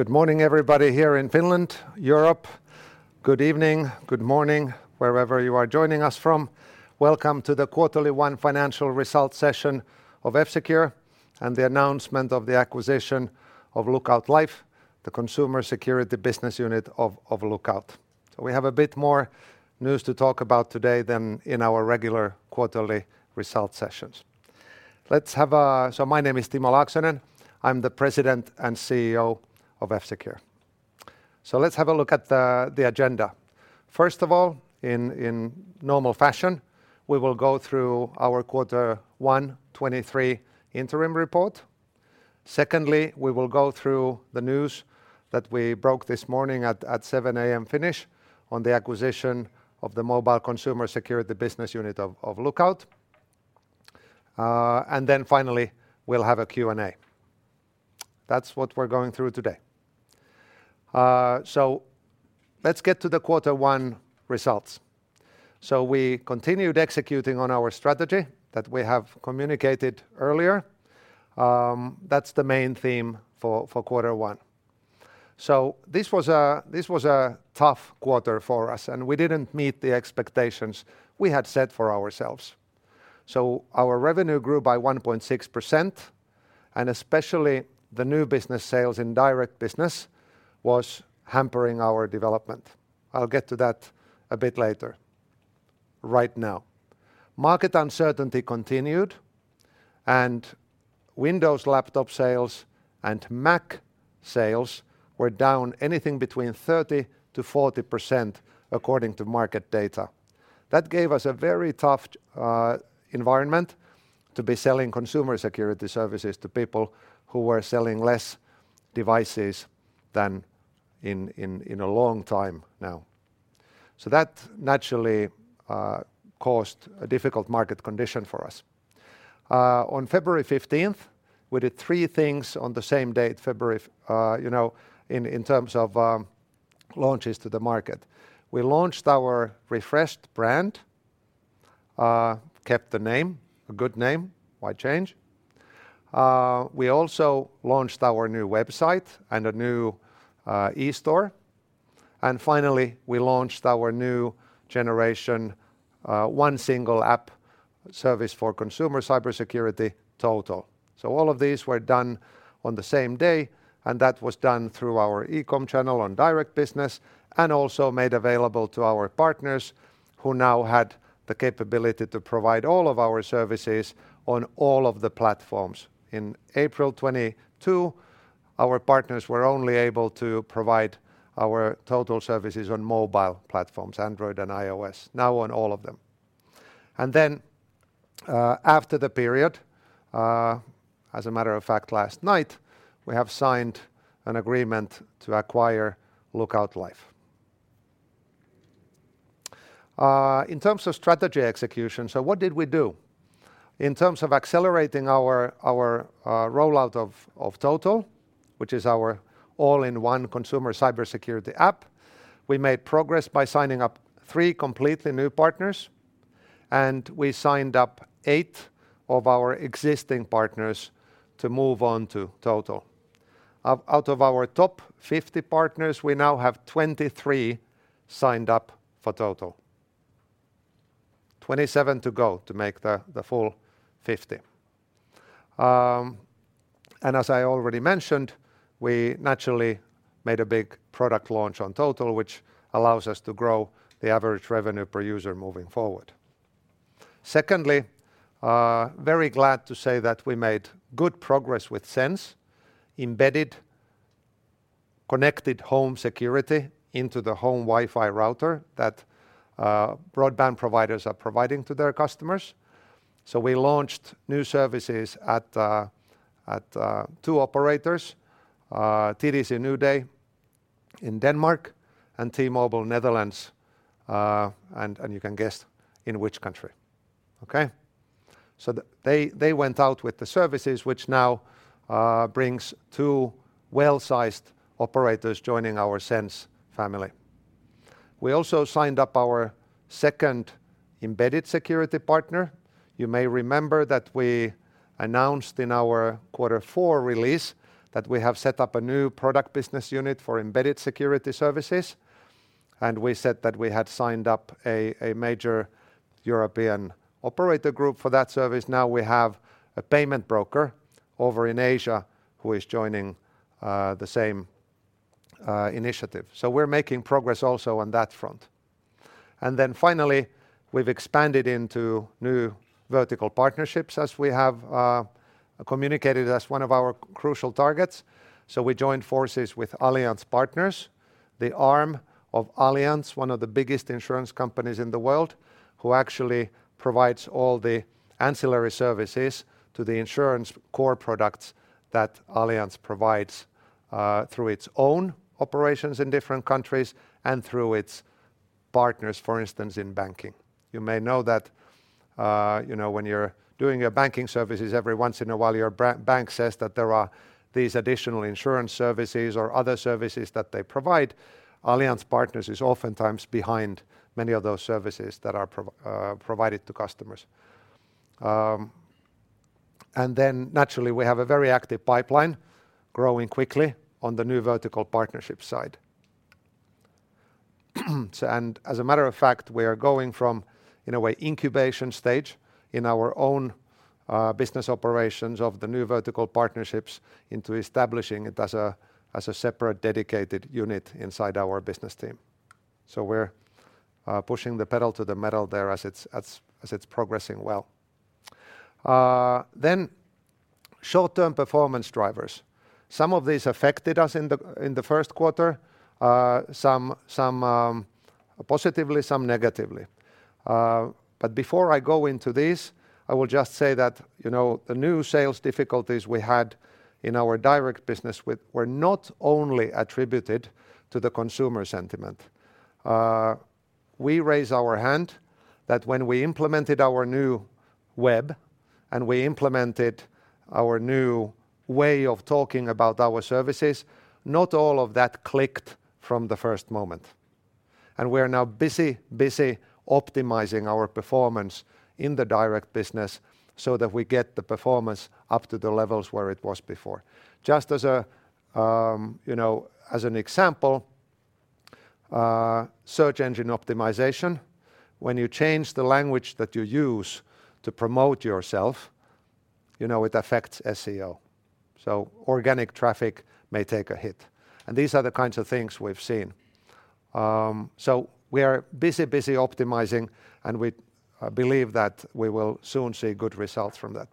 Good morning everybody here in Finland, Europe. Good evening, good morning, wherever you are joining us from. Welcome to the quarter one financial results session of F-Secure and the announcement of the acquisition of Lookout Life, the consumer security business unit of Lookout. We have a bit more news to talk about today than in our regular quarterly results sessions. My name is Timo Laaksonen. I'm the President and CEO of F-Secure. Let's have a look at the agenda. First of all, in normal fashion, we will go through our quarter 1 2023 interim report. Secondly, we will go through the news that we broke this morning at 7:00 A.M. Finnish on the acquisition of the mobile consumer security business unit of Lookout. Finally, we'll have a Q&A. That's what we're going through today. Let's get to the quarter one results. We continued executing on our strategy that we have communicated earlier. That's the main theme for quarter one. This was a tough quarter for us, and we didn't meet the expectations we had set for ourselves. Our revenue grew by 1.6%, and especially the new business sales in direct business was hampering our development. I'll get to that a bit later. Right now, market uncertainty continued, and Windows laptop sales and Mac sales were down anything between 30%-40% according to market data. That gave us a very tough environment to be selling consumer security services to people who were selling less devices than in a long time now. That naturally caused a difficult market condition for us. On February 15th, we did 3 things on the same date, February, you know, in terms of launches to the market. We launched our refreshed brand, kept the name, a good name. Why change? We also launched our new website and a new e-store. Finally, we launched our new generation, 1 single app service for consumer cybersecurity, Total. All of these were done on the same day, and that was done through our e-com channel on direct business, and also made available to our partners, who now had the capability to provide all of our services on all of the platforms. In April 2022, our partners were only able to provide our Total services on mobile platforms, Android and iOS. Now on all of them. After the period, as a matter of fact, last night, we have signed an agreement to acquire Lookout Life. In terms of strategy execution, what did we do? In terms of accelerating our rollout of Total, which is our all-in-one consumer cybersecurity app, we made progress by signing up 3 completely new partners, and we signed up 8 of our existing partners to move on to Total. Out of our top 50 partners, we now have 23 signed up for Total. 27 to go to make the full 50. As I already mentioned, we naturally made a big product launch on Total, which allows us to grow the average revenue per user moving forward. Secondly, very glad to say that we made good progress with Sense, embedded connected home security into the home Wi-Fi router that broadband providers are providing to their customers. We launched new services at two operators, Nuuday in Denmark and T-Mobile Netherlands, and you can guess in which country. Okay? They went out with the services which now brings two well-sized operators joining our Sense family. We also signed up our second embedded security partner. You may remember that we announced in our quarter four release that we have set up a new product business unit for embedded security services, and we said that we had signed up a major European operator group for that service. Now we have a payment broker over in Asia who is joining the same initiative. We're making progress also on that front. Finally, we've expanded into new vertical partnerships as we have communicated as one of our crucial targets. We joined forces with Allianz Partners, the arm of Allianz, one of the biggest insurance companies in the world, who actually provides all the ancillary services to the insurance core products that Allianz provides through its own operations in different countries and through its partners, for instance, in banking. You may know that, you know, when you're doing your banking services, every once in a while your bra-bank says that there are these additional insurance services or other services that they provide. Allianz Partners is oftentimes behind many of those services that are provided to customers. Naturally we have a very active pipeline growing quickly on the new vertical partnership side. As a matter of fact, we are going from, in a way, incubation stage in our own business operations of the new vertical partnerships into establishing it as a separate dedicated unit inside our business team. We're pushing the pedal to the metal there as it's progressing well. Short-term performance drivers. Some of these affected us in the first quarter, some positively, some negatively. Before I go into this, I will just say that, you know, the new sales difficulties we had in our direct business with were not only attributed to the consumer sentiment. We raise our hand that when we implemented our new web and we implemented our new way of talking about our services, not all of that clicked from the first moment. We're now busy optimizing our performance in the direct business so that we get the performance up to the levels where it was before. Just as a, you know, as an example, search engine optimization, when you change the language that you use to promote yourself, you know it affects SEO, so organic traffic may take a hit. These are the kinds of things we've seen. So we are busy optimizing, and we believe that we will soon see good results from that.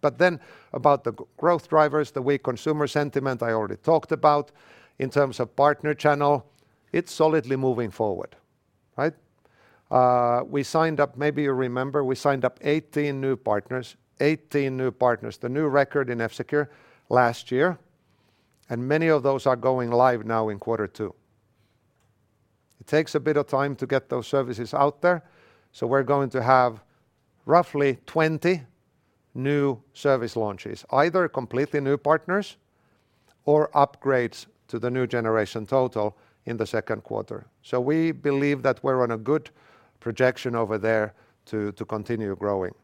About the growth drivers, the weak consumer sentiment I already talked about. In terms of partner channel, it's solidly moving forward, right? We signed up, maybe you remember, we signed up 18 new partners, the new record in F-Secure last year, and many of those are going live now in quarter two. It takes a bit of time to get those services out there. We're going to have roughly 20 new service launches, either completely new partners or upgrades to the new generation Total in the second quarter. We believe that we're on a good projection over there to continue growing.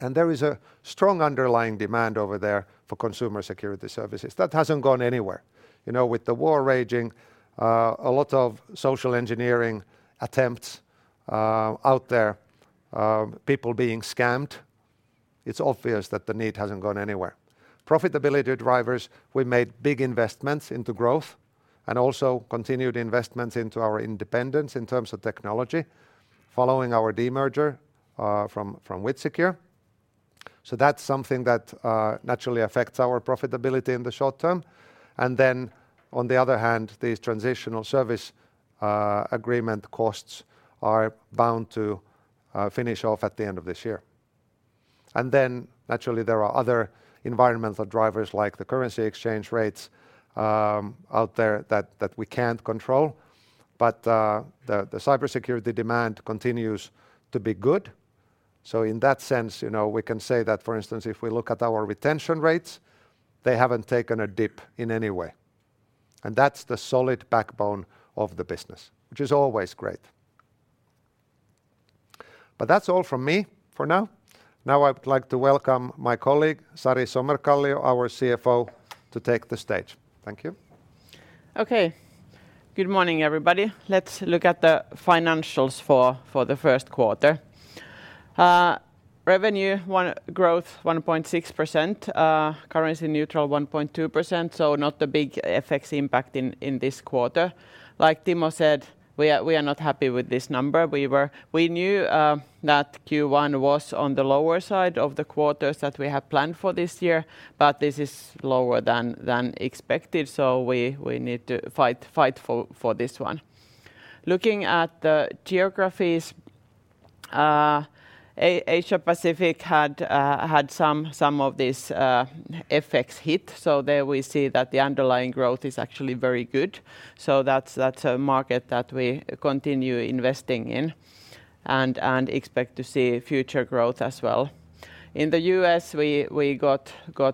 There is a strong underlying demand over there for consumer security services. That hasn't gone anywhere. You know, with the war raging, a lot of social engineering attempts out there, people being scammed, it's obvious that the need hasn't gone anywhere. Profitability drivers, we made big investments into growth and also continued investments into our independence in terms of technology following our demerger from WithSecure. That's something that naturally affects our profitability in the short term. On the other hand, these Transition Service Agreement costs are bound to finish off at the end of this year. Naturally there are other environmental drivers like the currency exchange rates out there that we can't control. The cybersecurity demand continues to be good. In that sense, you know, we can say that, for instance, if we look at our retention rates, they haven't taken a dip in any way. That's the solid backbone of the business, which is always great. That's all from me for now. I would like to welcome my colleague, Sari Somerkallio, our CFO, to take the stage. Thank you. Okay. Good morning, everybody. Let's look at the financials for the first quarter. Revenue growth 1.6%. Currency neutral 1.2%, so not the big FX impact in this quarter. Like Timo said, we are not happy with this number. We knew that Q1 was on the lower side of the quarters that we have planned for this year, but this is lower than expected, so we need to fight for this one. Looking at the geographies, Asia Pacific had some of this FX hit, so there we see that the underlying growth is actually very good. That's a market that we continue investing in and expect to see future growth as well. In the U.S., we got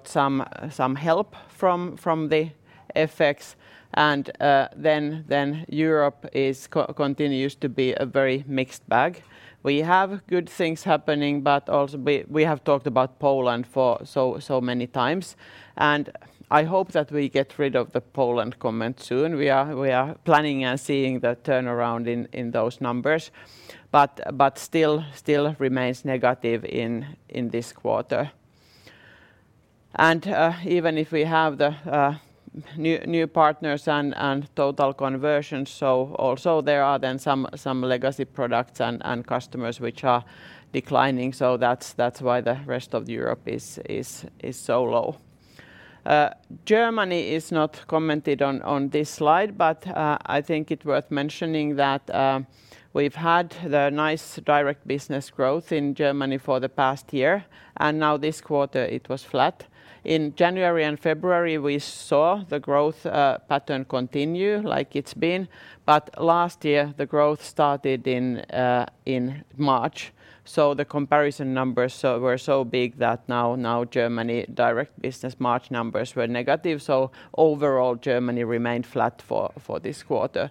some help from the FX. Europe continues to be a very mixed bag. We have good things happening, but also we have talked about Poland for many times. I hope that we get rid of the Poland comment soon. We are planning and seeing the turnaround in those numbers. Still remains negative in this quarter. Even if we have the new partners and Total conversions, also there are then some legacy products and customers which are declining. That's why the rest of Europe is so low. Germany is not commented on this slide, but I think it worth mentioning that we've had the nice direct business growth in Germany for the past year, and now this quarter it was flat. In January and February, we saw the growth pattern continue like it's been. Last year, the growth started in March, so the comparison numbers were so big that now Germany direct business March numbers were negative. Overall, Germany remained flat for this quarter.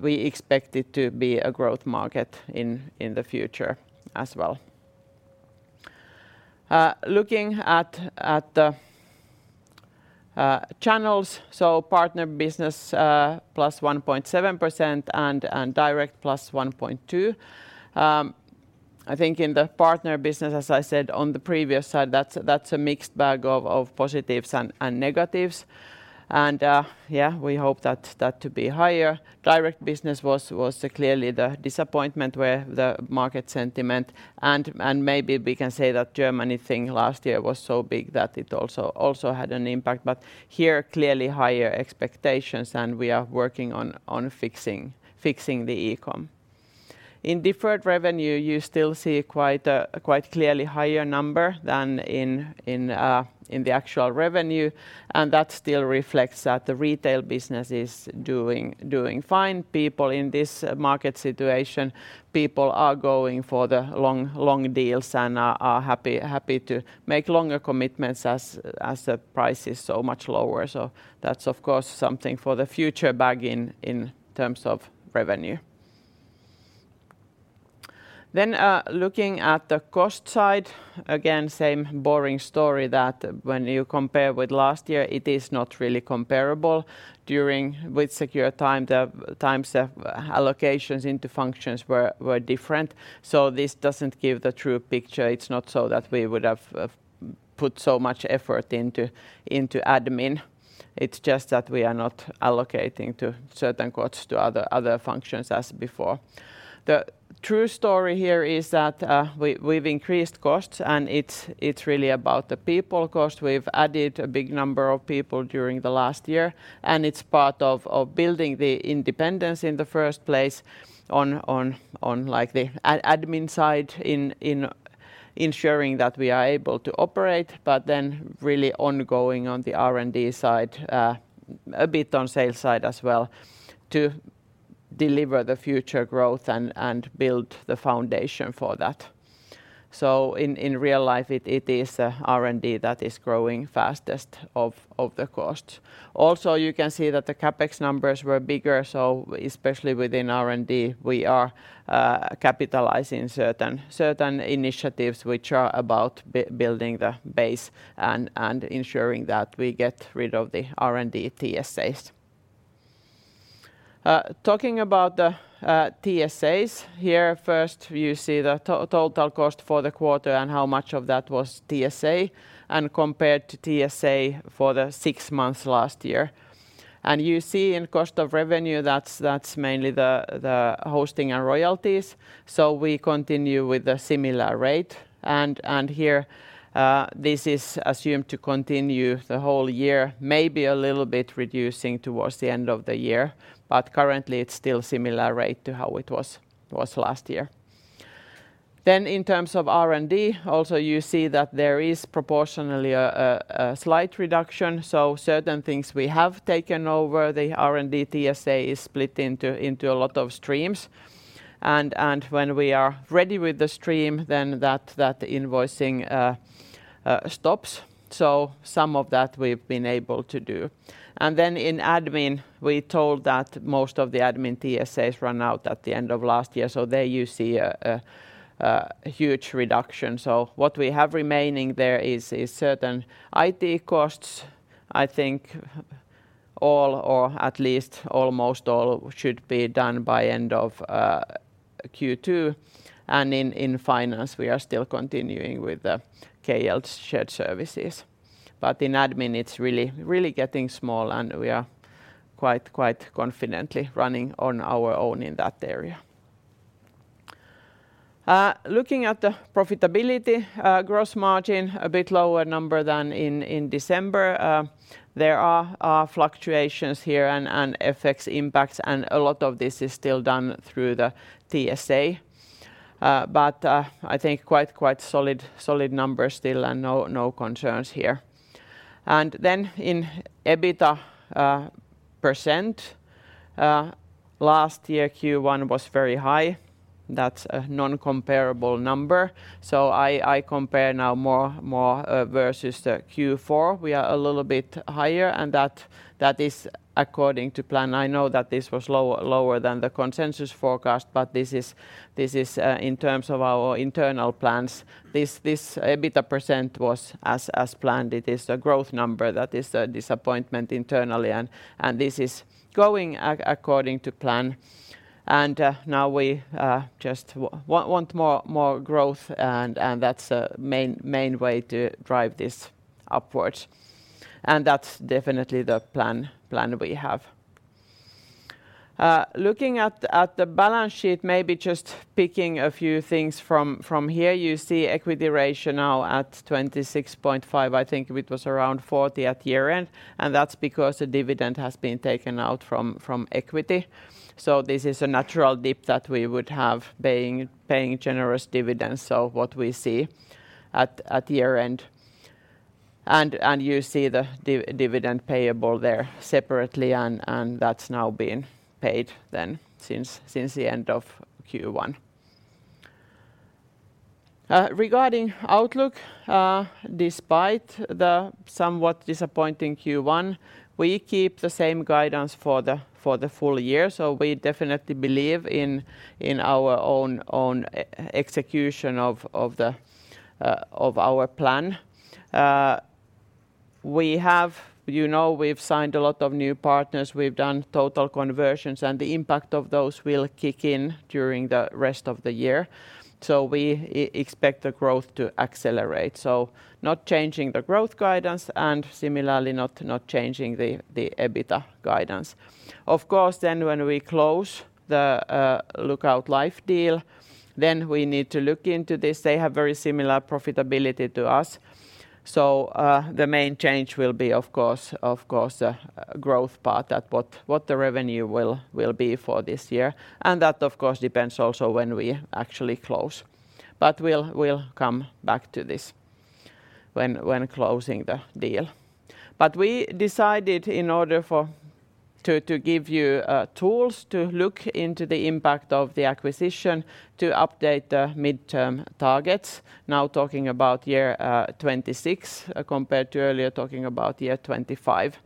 We expect it to be a growth market in the future as well. Looking at the channels, so partner business +1.7% and direct +1.2%. I think in the partner business, as I said on the previous side, that's a mixed bag of positives and negatives. Yeah, we hope that to be higher. Direct business was clearly the disappointment where the market sentiment and maybe we can say that Germany thing last year was so big that it also had an impact. Here, clearly higher expectations, and we are working on fixing the e-com. In deferred revenue, you still see quite clearly higher number than in the actual revenue, and that still reflects that the retail business is doing fine. People in this market situation, people are going for the long deals and are happy to make longer commitments as the price is so much lower. That's of course something for the future bag in terms of revenue. Looking at the cost side, again, same boring story that when you compare with last year, it is not really comparable. During WithSecure time, the times, allocations into functions were different. This doesn't give the true picture. It's not so that we would have put so much effort into admin. It's just that we are not allocating to certain costs to other functions as before. The true story here is that we've increased costs, and it's really about the people cost. We've added a big number of people during the last year. It's part of building the independence in the first place on like the admin side in ensuring that we are able to operate, but then really ongoing on the R&D side, a bit on sales side as well to deliver the future growth and build the foundation for that. In real life, it is R&D that is growing fastest of the cost. Also, you can see that the CapEx numbers were bigger, so especially within R&D, we are capitalizing certain initiatives which are about building the base and ensuring that we get rid of the R&D TSAs. Talking about the TSAs, here first you see the total cost for the quarter and how much of that was TSA and compared to TSA for the six months last year. You see in cost of revenue, that's mainly the hosting and royalties. We continue with a similar rate. Here, this is assumed to continue the whole year, maybe a little bit reducing towards the end of the year, but currently it's still similar rate to how it was last year. In terms of R&D, also you see that there is proportionally a slight reduction. Certain things we have taken over, the R&D TSA is split into a lot of streams. When we are ready with the stream, then that invoicing stops. Some of that we've been able to do. Then in admin, we told that most of the admin TSAs ran out at the end of last year. There you see a huge reduction. What we have remaining there is certain IT costs. I think all or at least almost all should be done by end of Q2. In finance, we are still continuing with the KL's shared services. In admin, it's really getting small, and we are quite confidently running on our own in that area. Looking at the profitability, Gross margin, a bit lower number than in December. There are fluctuations here and FX impacts, and a lot of this is still done through the TSA. I think quite solid numbers still and no concerns here. In EBITDA %, last year Q1 was very high. That's a non-comparable number. I compare now more versus the Q4. We are a little bit higher, that is according to plan. I know that this was lower than the consensus forecast, this is in terms of our internal plans. This EBITDA % was as planned. It is the growth number that is the disappointment internally. This is going according to plan. Now we just want more growth, that's a main way to drive this upwards. That's definitely the plan we have. Looking at the balance sheet, maybe just picking a few things from here, you see equity ratio now at 26.5. I think it was around 40 at year-end, that's because the dividend has been taken out from equity. This is a natural dip that we would have paying generous dividends. What we see at year-end, you see the dividend payable there separately and that's now been paid then since the end of Q1. Regarding outlook, despite the somewhat disappointing Q1, we keep the same guidance for the full year. We definitely believe in our own execution of the plan. We have, you know, we've signed a lot of new partners. We've done Total conversions, and the impact of those will kick in during the rest of the year. We expect the growth to accelerate. Not changing the growth guidance and similarly not changing the EBITDA guidance. When we close the Lookout Life deal, then we need to look into this. They have very similar profitability to us, so, the main change will be, of course, growth path at what the revenue will be for this year. That, of course, depends also when we actually close. We'll come back to this when closing the deal. We decided in order to give you tools to look into the impact of the acquisition to update the midterm targets, now talking about year 2026, compared to earlier talking about year 2025.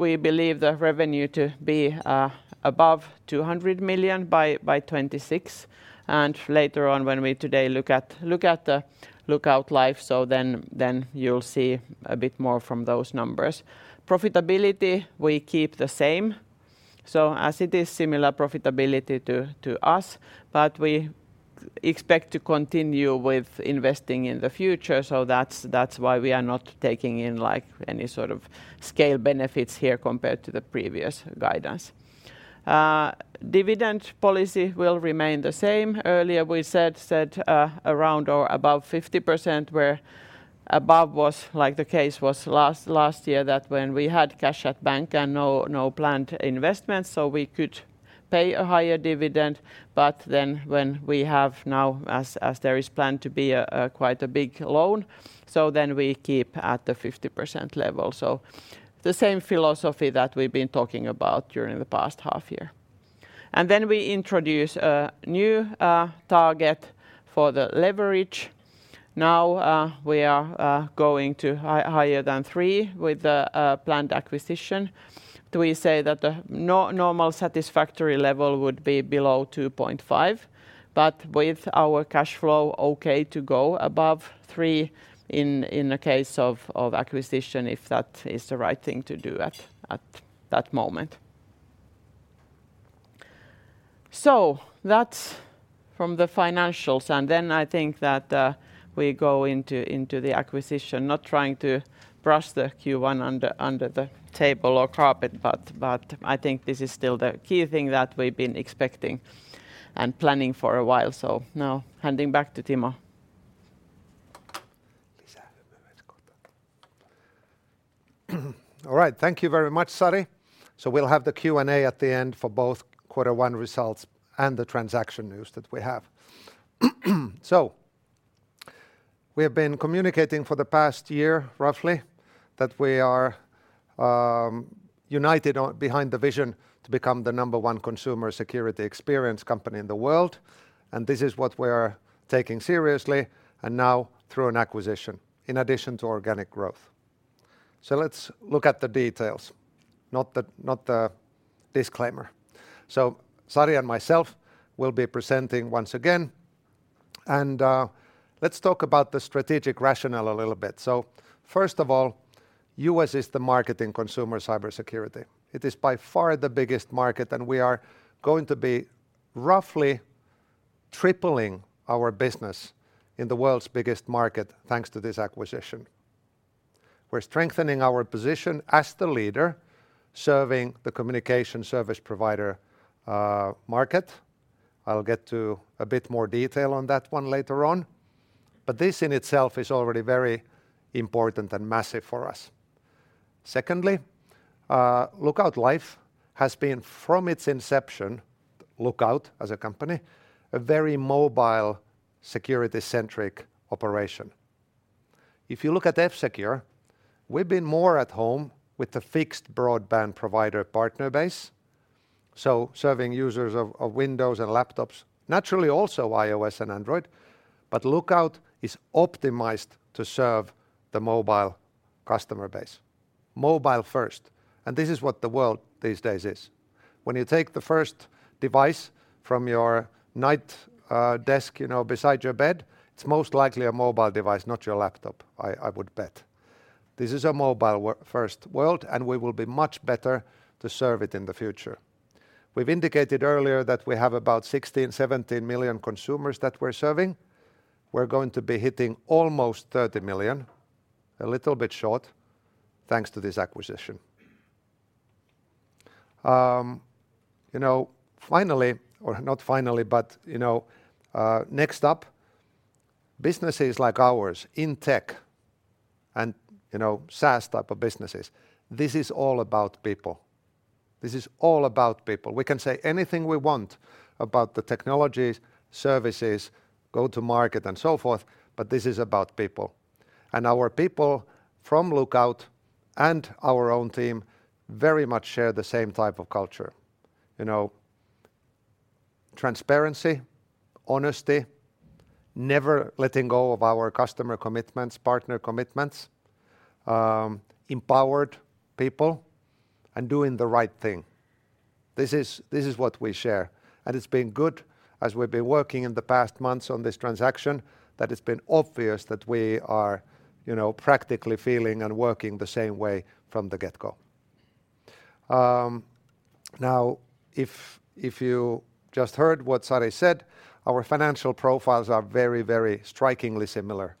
We believe the revenue to be above 200 million by 2026. Later on, when we today look at Lookout Life, you'll see a bit more from those numbers. Profitability, we keep the same, as it is similar profitability to us. We expect to continue with investing in the future, that's why we are not taking in any sort of scale benefits here compared to the previous guidance. Dividend policy will remain the same. Earlier, we said around or above 50%, where above was the case last year that when we had cash at bank and no planned investments, we could pay a higher dividend. When we have now, as there is planned to be a quite a big loan, so then we keep at the 50% level. The same philosophy that we've been talking about during the past half year. We introduce a new target for the leverage. Now, we are going higher than 3 with the planned acquisition. Do we say that the normal satisfactory level would be below 2.5, but with our cash flow okay to go above 3 in the case of acquisition if that is the right thing to do at that moment. That's from the financials. I think that, we go into the acquisition, not trying to brush the Q1 under the table or carpet, but I think this is still the key thing that we've been expecting and planning for a while. Now handing back to Timo. All right. Thank you very much, Sari. We'll have the Q&A at the end for both quarter one results and the transaction news that we have. We have been communicating for the past year roughly that we are united behind the vision to become the number one consumer security experience company in the world, and this is what we are taking seriously and now through an acquisition in addition to organic growth. Let's look at the details, not the disclaimer. Sari and myself will be presenting once again, and let's talk about the strategic rationale a little bit. First of all, U.S. is the market in consumer cybersecurity. It is by far the biggest market, and we are going to be roughly tripling our business in the world's biggest market thanks to this acquisition. We're strengthening our position as the leader serving the communications service provider market. I'll get to a bit more detail on that one later on. This in itself is already very important and massive for us. Secondly, Lookout Life has been from its inception, Lookout as a company, a very mobile security-centric operation. If you look at F-Secure, we've been more at home with the fixed broadband provider partner base, so serving users of Windows and laptops, naturally also iOS and Android. Lookout is optimized to serve the mobile customer base, mobile first, and this is what the world these days is. When you take the first device from your night desk, you know, beside your bed, it's most likely a mobile device, not your laptop, I would bet. This is a mobile first world. We will be much better to serve it in the future. We've indicated earlier that we have about 16, 17 million consumers that we're serving. We're going to be hitting almost 30 million, a little bit short, thanks to this acquisition. You know, finally, or not finally, but, you know, next up, businesses like ours in tech and, you know, SaaS type of businesses, this is all about people. This is all about people. We can say anything we want about the technologies, services, go to market, and so forth, but this is about people. Our people from Lookout and our own team very much share the same type of culture. You know, transparency, honesty, never letting go of our customer commitments, partner commitments, empowered people, and doing the right thing. This is what we share. It's been good as we've been working in the past months on this transaction, that it's been obvious that we are, you know, practically feeling and working the same way from the get-go. Now if you just heard what Sari said, our financial profiles are very strikingly similar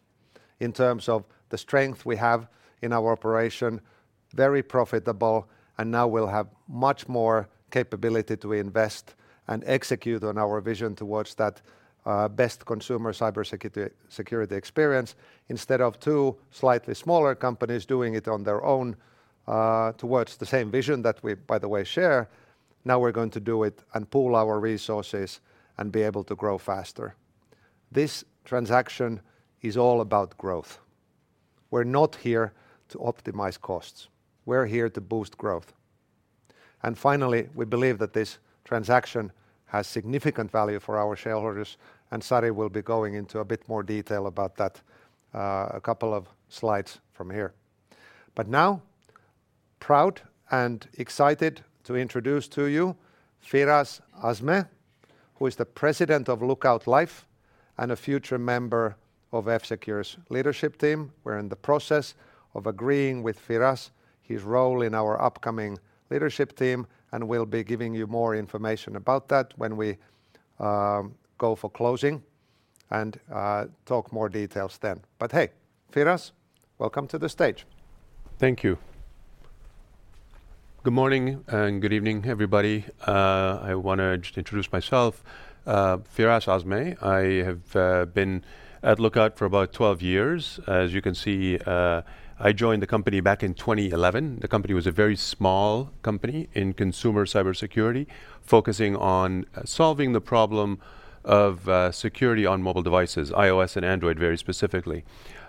in terms of the strength we have in our operation, very profitable. Now we'll have much more capability to invest and execute on our vision towards that best consumer cybersecurity experience. Instead of two slightly smaller companies doing it on their own, towards the same vision that we, by the way, share, now we're going to do it and pool our resources and be able to grow faster. This transaction is all about growth. We're not here to optimize costs. We're here to boost growth. Finally, we believe that this transaction has significant value for our shareholders, and Sari will be going into a bit more detail about that, a couple of slides from here. Now, proud and excited to introduce to you Firas Azmeh, who is the President of Lookout Life and a future member of F-Secure's leadership team. We're in the process of agreeing with Firas his role in our upcoming leadership team, and we'll be giving you more information about that when we go for closing and talk more details then. Hey, Firas, welcome to the stage. Thank you. Good morning and good evening, everybody. I wanna just introduce myself, Firas Azmeh. I have been at Lookout for about 12 years. As you can see, I joined the company back in 2011. The company was a very small company in consumer cybersecurity, focusing on solving the problem of security on mobile devices, iOS and Android very specifically.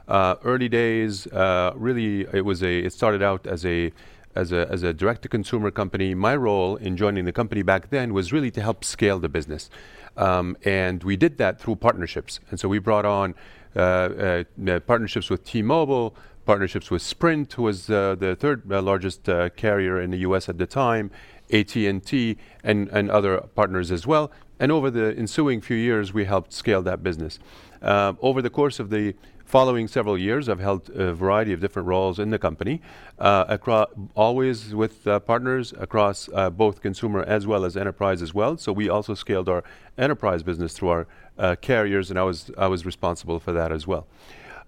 Early days, really it started out as a direct-to-consumer company. My role in joining the company back then was really to help scale the business, and we did that through partnerships. We brought on partnerships with T-Mobile, partnerships with Sprint, who was the third largest carrier in the U.S. at the time, AT&T and other partners as well. Over the ensuing few years, we helped scale that business. Over the course of the following several years, I've held a variety of different roles in the company, always with partners across both consumer as well as enterprise as well. We also scaled our enterprise business through our carriers, and I was responsible for that as well.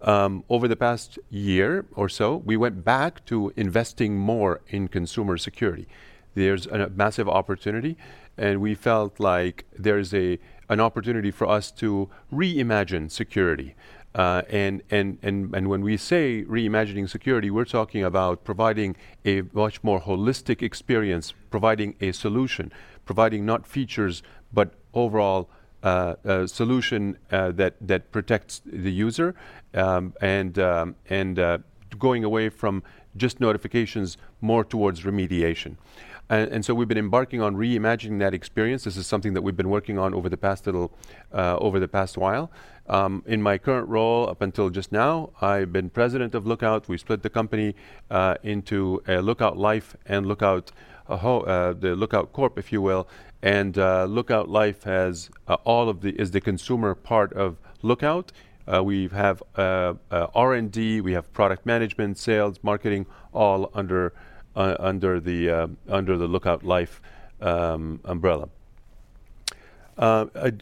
Over the past year or so, we went back to investing more in consumer security. There's a massive opportunity, and we felt like there is an opportunity for us to reimagine security. When we say reimagining security, we're talking about providing a much more holistic experience, providing a solution, providing not features, but overall solution that protects the user and going away from just notifications more towards remediation. We've been embarking on reimagining that experience. This is something that we've been working on over the past little over the past while. In my current role, up until just now, I've been president of Lookout. We've split the company into Lookout Life and the Lookout Corp, if you will. Lookout Life has is the consumer part of Lookout. We have R&D, we have product management, sales, marketing, all under the Lookout Life umbrella.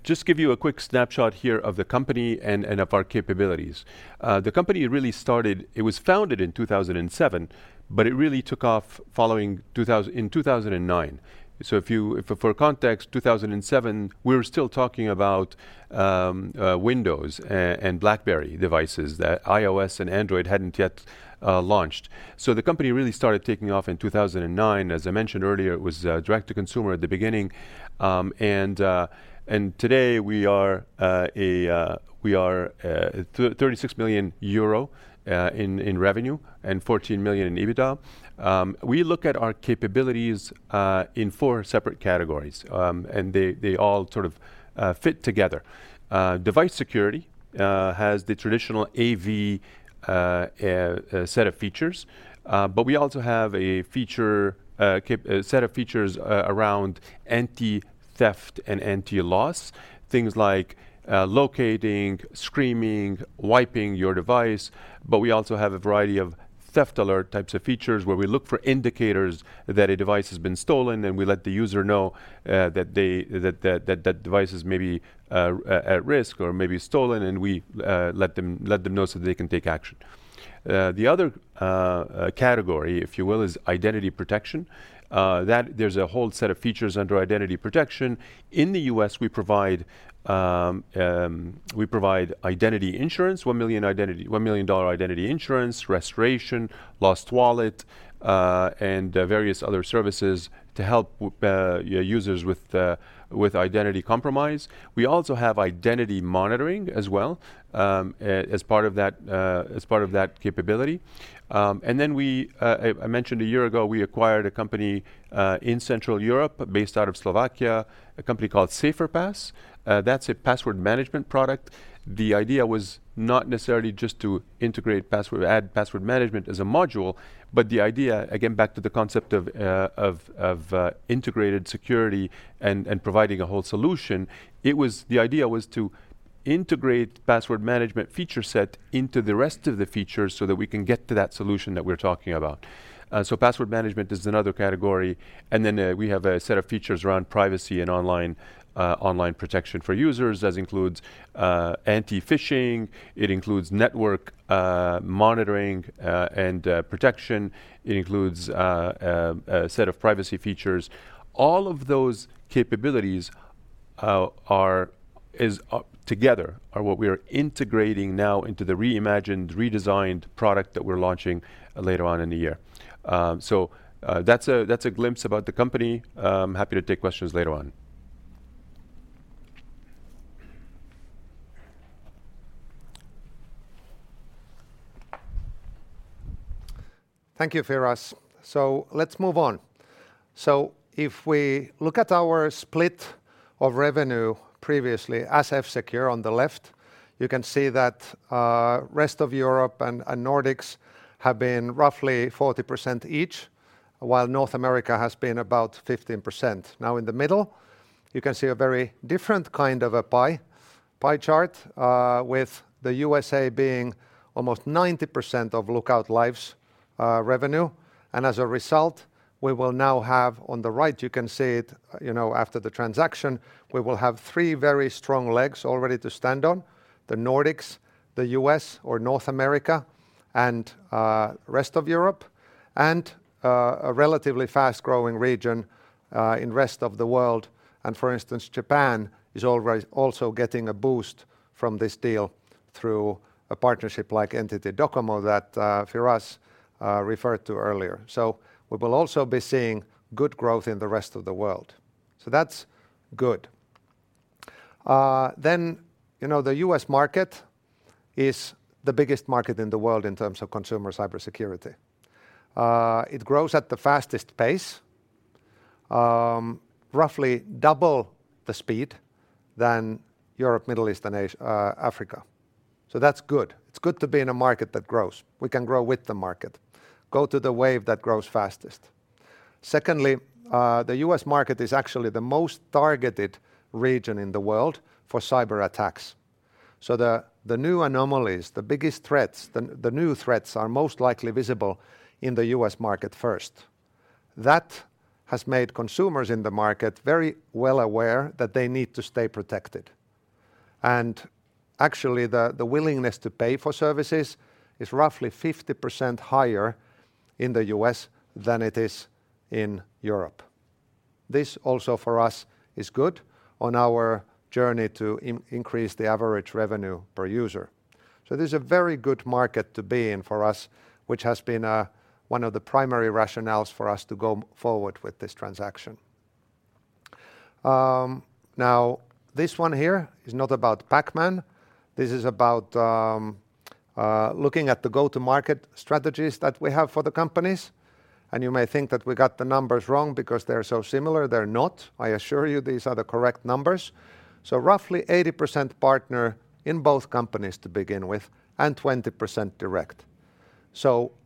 Just give you a quick snapshot here of the company and of our capabilities. The company really started, it was founded in 2007, but it really took off following in 2009. If you, for context, 2007, we were still talking about Windows and BlackBerry devices. The iOS and Android hadn't yet launched. The company really started taking off in 2009. As I mentioned earlier, it was direct to consumer at the beginning. Today we are a 36 million euro in revenue and 14 million in EBITDA. We look at our capabilities in four separate categories, and they all sort of fit together. Device security has the traditional AV set of features, but we also have a feature set of features around anti-theft and anti-loss, things like locating, screaming, wiping your device, but we also have a variety of theft alert types of features where we look for indicators that a device has been stolen, and we let the user know that they that device is maybe at risk or maybe stolen, and we let them know so that they can take action. The other category, if you will, is identity protection, that there's a whole set of features under identity protection. In the U.S., we provide identity insurance, $1 million identity insurance, restoration, lost wallet, and various other services to help users with identity compromise. We also have identity monitoring as well as part of that capability. We mentioned a year ago, we acquired a company in Central Europe based out of Slovakia, a company called SaferPass. That's a password management product. The idea was not necessarily just to add password management as a module, but the idea, again, back to the concept of integrated security and providing a whole solution, it was... The idea was to integrate password management feature set into the rest of the features so that we can get to that solution that we're talking about. Password management is another category. We have a set of features around privacy and online protection for users. That includes anti-phishing. It includes network monitoring and protection. It includes a set of privacy features. All of those capabilities are together what we are integrating now into the reimagined, redesigned product that we're launching later on in the year. That's a glimpse about the company. I'm happy to take questions later on. Thank you, Firas. Let's move on. If we look at our split of revenue previously as F-Secure on the left, you can see that rest of Europe and Nordics have been roughly 40% each, while North America has been about 15%. Now in the middle, you can see a very different kind of a pie chart, with the USA being almost 90% of Lookout Life's revenue. As a result, we will now have on the right, you can see it, you know, after the transaction, we will have three very strong legs already to stand on, the Nordics, the U.S. or North America, and rest of Europe, and a relatively fast-growing region in rest of the world. For instance, Japan is also getting a boost from this deal through a partnership like NTT Docomo that Firas referred to earlier. We will also be seeing good growth in the rest of the world. That's good. You know, the U.S. market is the biggest market in the world in terms of consumer cybersecurity. It grows at the fastest pace, roughly double the speed than Europe, Middle East, and Africa. That's good. It's good to be in a market that grows. We can grow with the market, go to the wave that grows fastest. Secondly, the U.S. market is actually the most targeted region in the world for cyberattacks. The new anomalies, the biggest threats, the new threats are most likely visible in the U.S. market first. That has made consumers in the market very well aware that they need to stay protected. Actually, the willingness to pay for services is roughly 50% higher in the U.S. than it is in Europe. This also for us is good on our journey to increase the ARPU. This is a very good market to be in for us, which has been one of the primary rationales for us to go forward with this transaction. Now this one here is not about Pac-Man. This is about looking at the go-to-market strategies that we have for the companies, you may think that we got the numbers wrong because they're so similar. They're not. I assure you these are the correct numbers. Roughly 80% partner in both companies to begin with and 20% direct.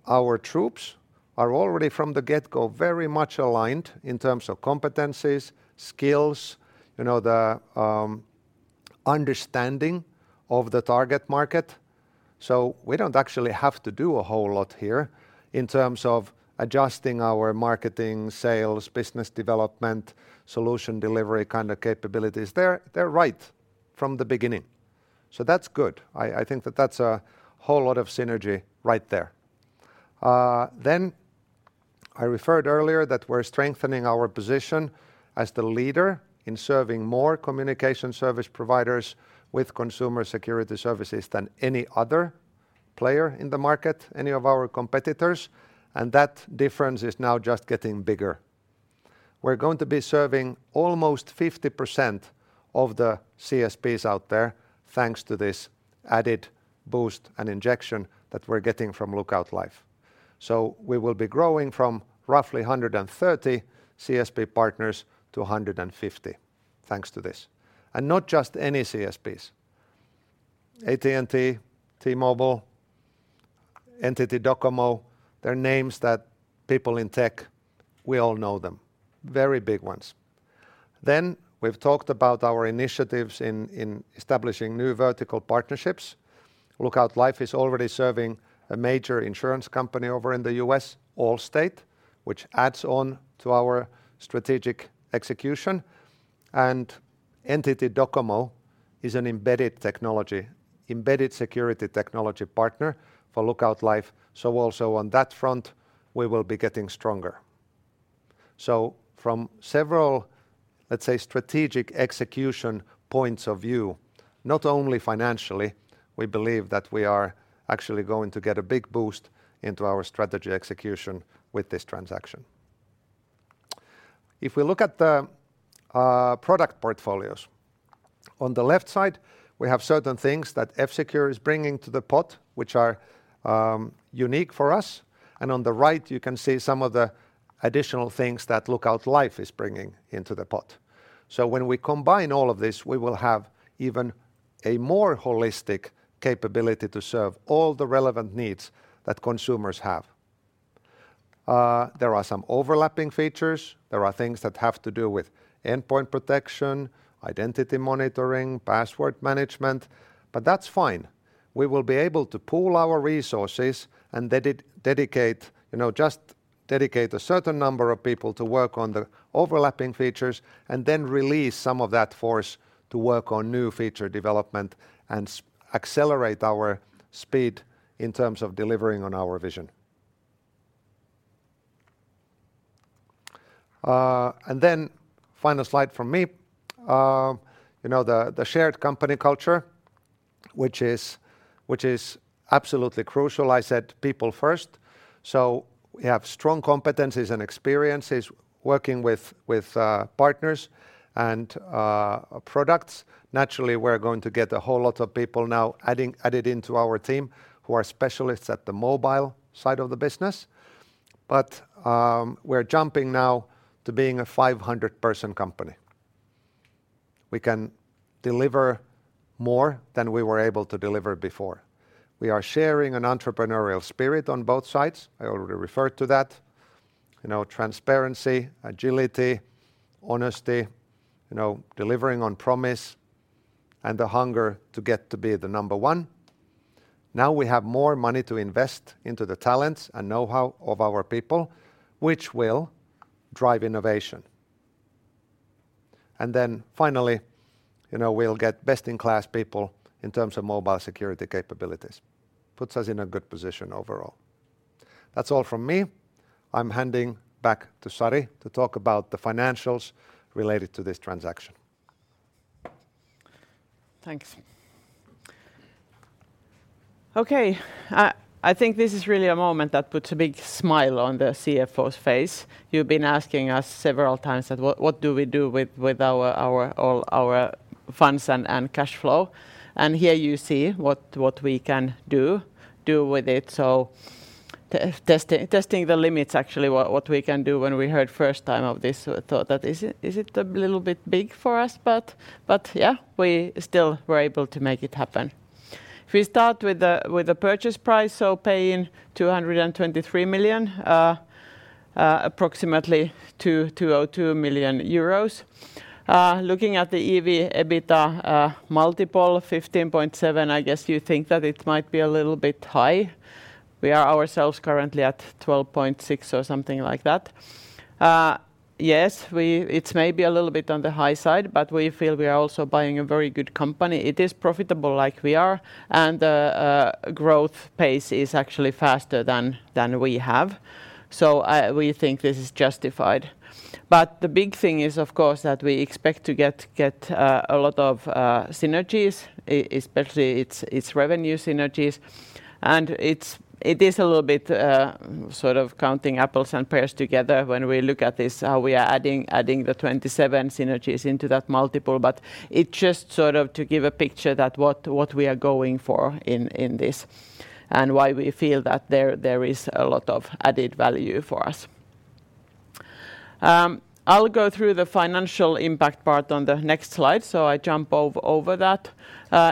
Our troops are already from the get-go very much aligned in terms of competencies, skills, you know, the understanding of the target market. We don't actually have to do a whole lot here in terms of adjusting our marketing, sales, business development, solution delivery kind of capabilities. They're right from the beginning. That's good. I think that that's a whole lot of synergy right there. I referred earlier that we're strengthening our position as the leader in serving more communication service providers with consumer security services than any other player in the market, any of our competitors, and that difference is now just getting bigger. We're going to be serving almost 50% of the CSPs out there, thanks to this added boost and injection that we're getting from Lookout Life. We will be growing from roughly 130 CSP partners to 150, thanks to this. Not just any CSPs. AT&T, T-Mobile, NTT Docomo, they're names that people in tech, we all know them, very big ones. We've talked about our initiatives in establishing new vertical partnerships. Lookout Life is already serving a major insurance company over in the U.S., Allstate, which adds on to our strategic execution. NTT Docomo is an embedded technology, embedded security technology partner for Lookout Life. Also on that front, we will be getting stronger. From several, let's say, strategic execution points of view, not only financially, we believe that we are actually going to get a big boost into our strategy execution with this transaction. If we look at the product portfolios, on the left side, we have certain things that F-Secure is bringing to the pot, which are unique for us. On the right, you can see some of the additional things that Lookout Life is bringing into the pot. When we combine all of this, we will have even a more holistic capability to serve all the relevant needs that consumers have. There are some overlapping features. There are things that have to do with endpoint protection, identity monitoring, password management. That's fine. We will be able to pool our resources and dedicate, you know, just dedicate a certain number of people to work on the overlapping features and then release some of that force to work on new feature development and accelerate our speed in terms of delivering on our vision. Final slide from me. You know, the shared company culture, which is absolutely crucial. I said people first. We have strong competencies and experiences working with partners and products. Naturally, we're going to get a whole lot of people now adding, added into our team who are specialists at the mobile side of the business. We're jumping now to being a 500-person company. We can deliver more than we were able to deliver before. We are sharing an entrepreneurial spirit on both sides. I already referred to that. You know, transparency, agility, honesty, you know, delivering on promise and the hunger to get to be the number one. Now we have more money to invest into the talents and know-how of our people, which will drive innovation. Finally, you know, we'll get best-in-class people in terms of mobile security capabilities. Puts us in a good position overall. That's all from me. I'm handing back to Sari to talk about the financials related to this transaction. Thanks. Okay. I think this is really a moment that puts a big smile on the CFO's face. You've been asking us several times that what do we do with our all our funds and cash flow, and here you see what we can do with it. Testing, testing the limits actually what we can do when we heard first time of this thought that is it a little bit big for us? Yeah, we still were able to make it happen. If we start with the purchase price, paying 223 million, approximately 202 million EUR. Looking at the EV/EBITDA multiple 15.7, I guess you think that it might be a little bit high. We are ourselves currently at 12.6 or something like that. Yes, it's maybe a little bit on the high side, but we feel we are also buying a very good company. It is profitable like we are, and the growth pace is actually faster than we have. We think this is justified. The big thing is, of course, that we expect to get a lot of synergies, especially its revenue synergies. It's, it is a little bit sort of counting apples and pears together when we look at this, how we are adding the 27 synergies into that multiple. It just sort of to give a picture that what we are going for in this and why we feel that there is a lot of added value for us. I'll go through the financial impact part on the next slide. I jump over that.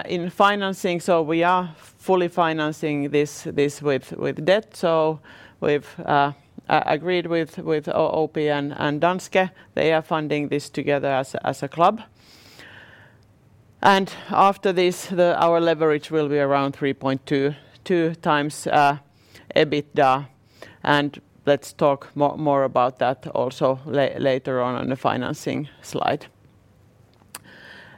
In financing, we are fully financing this with debt. We've agreed with OP and Danske. They are funding this together as a club. After this, our leverage will be around 3.22 times EBITDA, let's talk more about that also later on on the financing slide.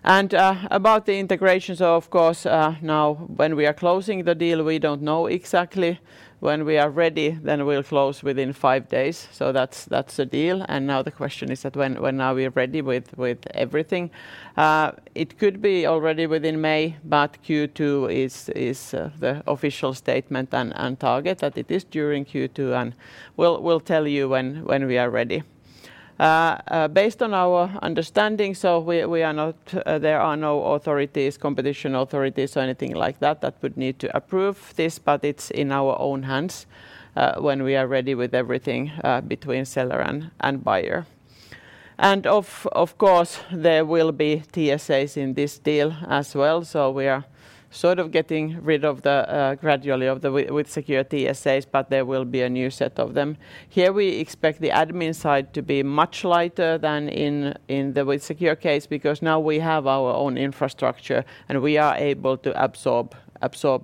About the integration, of course, now when we are closing the deal, we don't know exactly. When we are ready, we'll close within 5 days. That's the deal. Now the question is that when are we ready with everything? It could be all ready within May, but Q2 is the official statement and target that it is during Q2, and we'll tell you when we are ready. Based on our understanding, we are not, there are no authorities, competition authorities or anything like that would need to approve this, but it's in our own hands, when we are ready with everything, between seller and buyer. Of course, there will be TSAs in this deal as well. We are sort of getting rid of the gradually of the WithSecure TSAs, but there will be a new set of them. Here, we expect the admin side to be much lighter than in the WithSecure case because now we have our own infrastructure, and we are able to absorb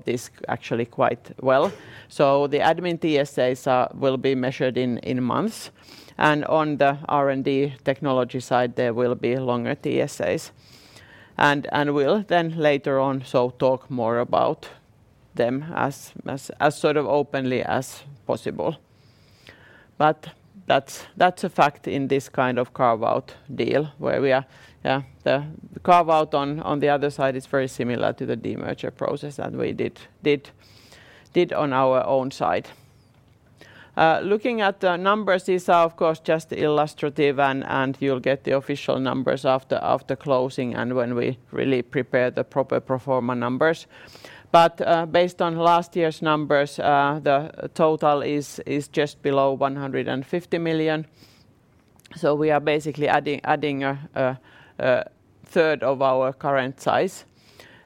this actually quite well. The admin TSAs will be measured in months, and on the R&D technology side, there will be longer TSAs. We'll then later on so talk more about them as sort of openly as possible. That's, that's a fact in this kind of carve-out deal where we are, the carve out on the other side is very similar to the demerger process that we did on our own side. Looking at the numbers, these are of course just illustrative and you'll get the official numbers after closing and when we really prepare the proper pro forma numbers. Based on last year's numbers, the total is just below 150 million. So we are basically adding a third of our current size.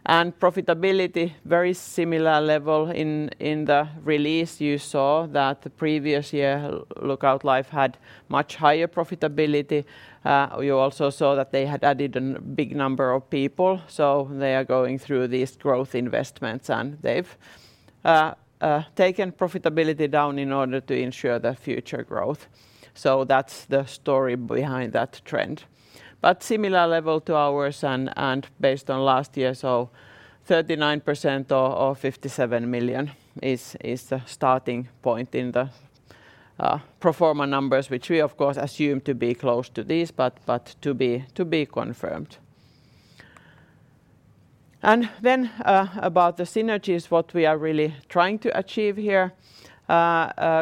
Profitability, very similar level in the release you saw that the previous year Lookout Life had much higher profitability. You also saw that they had added a big number of people, so they have taken profitability down in order to ensure the future growth. That's the story behind that trend. Similar level to ours and based on last year, so 39% or 57 million is the starting point in the pro forma numbers, which we of course assume to be close to these but to be confirmed. Then, about the synergies, what we are really trying to achieve here.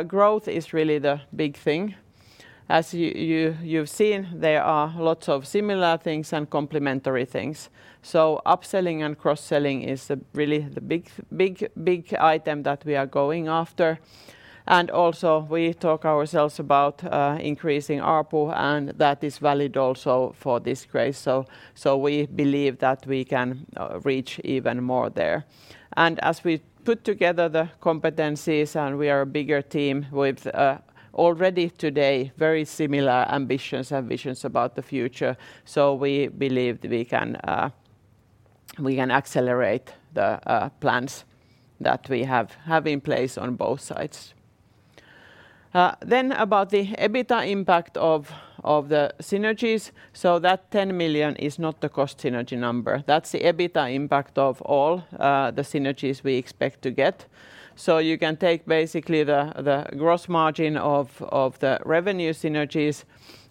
Growth is really the big thing. As you've seen, there are lots of similar things and complementary things. Upselling and cross-selling is really the big, big, big item that we are going after. Also we talk ourselves about increasing ARPU, and that is valid also for this case. We believe that we can reach even more there. As we put together the competencies, and we are a bigger team with already today very similar ambitions and visions about the future. We believe we can accelerate the plans that we have in place on both sides. Then about the EBITDA impact of the synergies. That 10 million is not the cost synergy number. That's the EBITDA impact of all the synergies we expect to get. You can take basically the gross margin of the revenue synergies,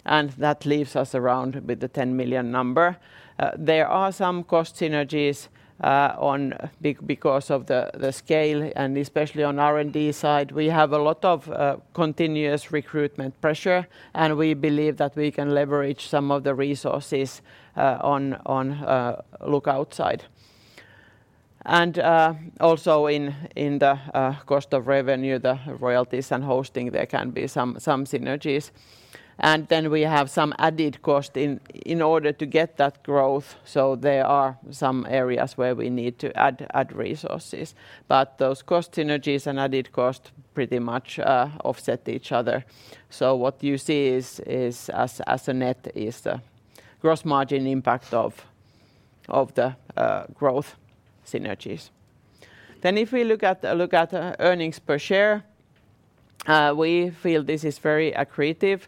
and that leaves us around with the 10 million number. There are some cost synergies because of the scale, and especially on R&D side. We have a lot of continuous recruitment pressure, and we believe that we can leverage some of the resources on Lookout side. Also in the cost of revenue, the royalties and hosting, there can be some synergies. We have some added cost in order to get that growth, so there are some areas where we need to add resources. Those cost synergies and added cost pretty much offset each other. What you see is as a net is the gross margin impact of the growth synergies. If we look at earnings per share, we feel this is very accretive.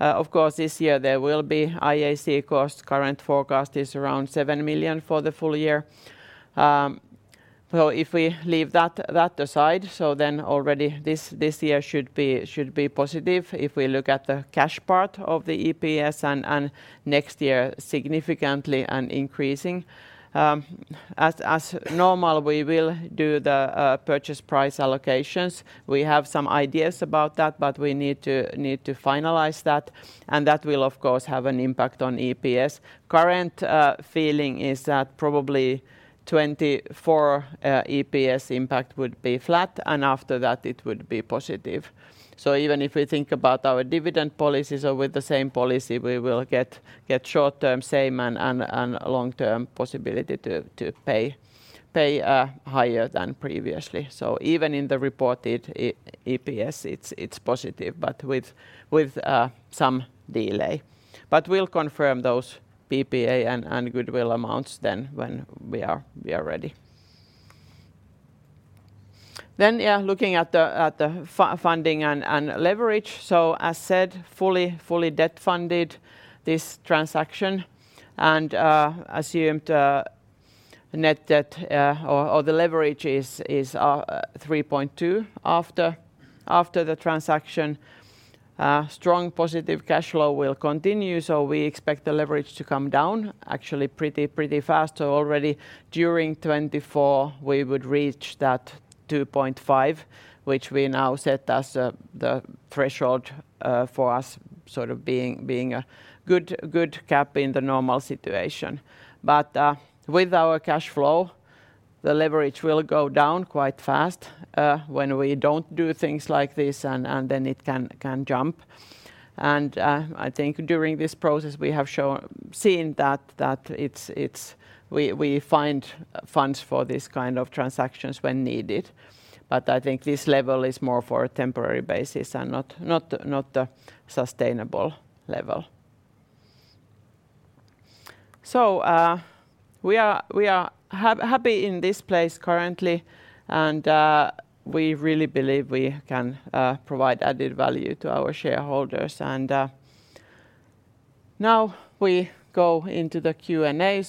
Of course, this year there will be IAC cost. Current forecast is around 7 million for the full year. If we leave that aside, already this year should be positive if we look at the cash part of the EPS and next year significantly and increasing. As normal, we will do the purchase price allocations. We have some ideas about that, but we need to finalize that, and that will of course have an impact on EPS. Current feeling is that probably 2024 EPS impact would be flat, and after that it would be positive. Even if we think about our dividend policies or with the same policy, we will get short-term same and long-term possibility to pay higher than previously. Even in the reported EPS, it's positive but with some delay. We'll confirm those PPA and goodwill amounts when we are ready. Yeah, looking at the funding and leverage. As said, fully debt-funded this transaction, and assumed net debt or the leverage is 3.2 after the transaction. Strong positive cash flow will continue, so we expect the leverage to come down actually pretty fast. Already during 2024, we would reach that 2.5, which we now set as the threshold for us sort of being a good cap in the normal situation. With our cash flow, the leverage will go down quite fast when we don't do things like this and then it can jump. I think during this process we have seen that we find funds for this kind of transactions when needed. I think this level is more for a temporary basis and not a sustainable level. We are happy in this place currently, and we really believe we can provide added value to our shareholders. Now we go into the Q&A.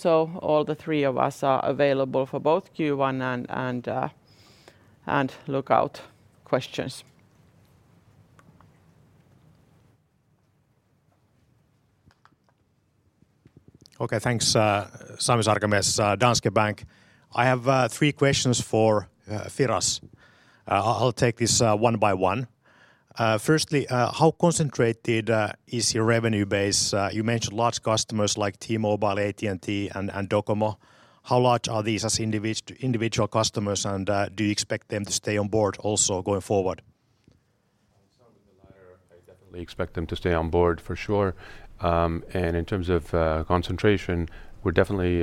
All the three of us are available for both Q1 and Lookout questions. Sami Sarkamies, Danske Bank. I have three questions for Firas. I'll take this one by one. Firstly, how concentrated is your revenue base? You mentioned large customers like T-Mobile, AT&T, and Docomo. How large are these as individual customers and do you expect them to stay on board also going forward? We expect them to stay on board for sure. In terms of concentration, we're definitely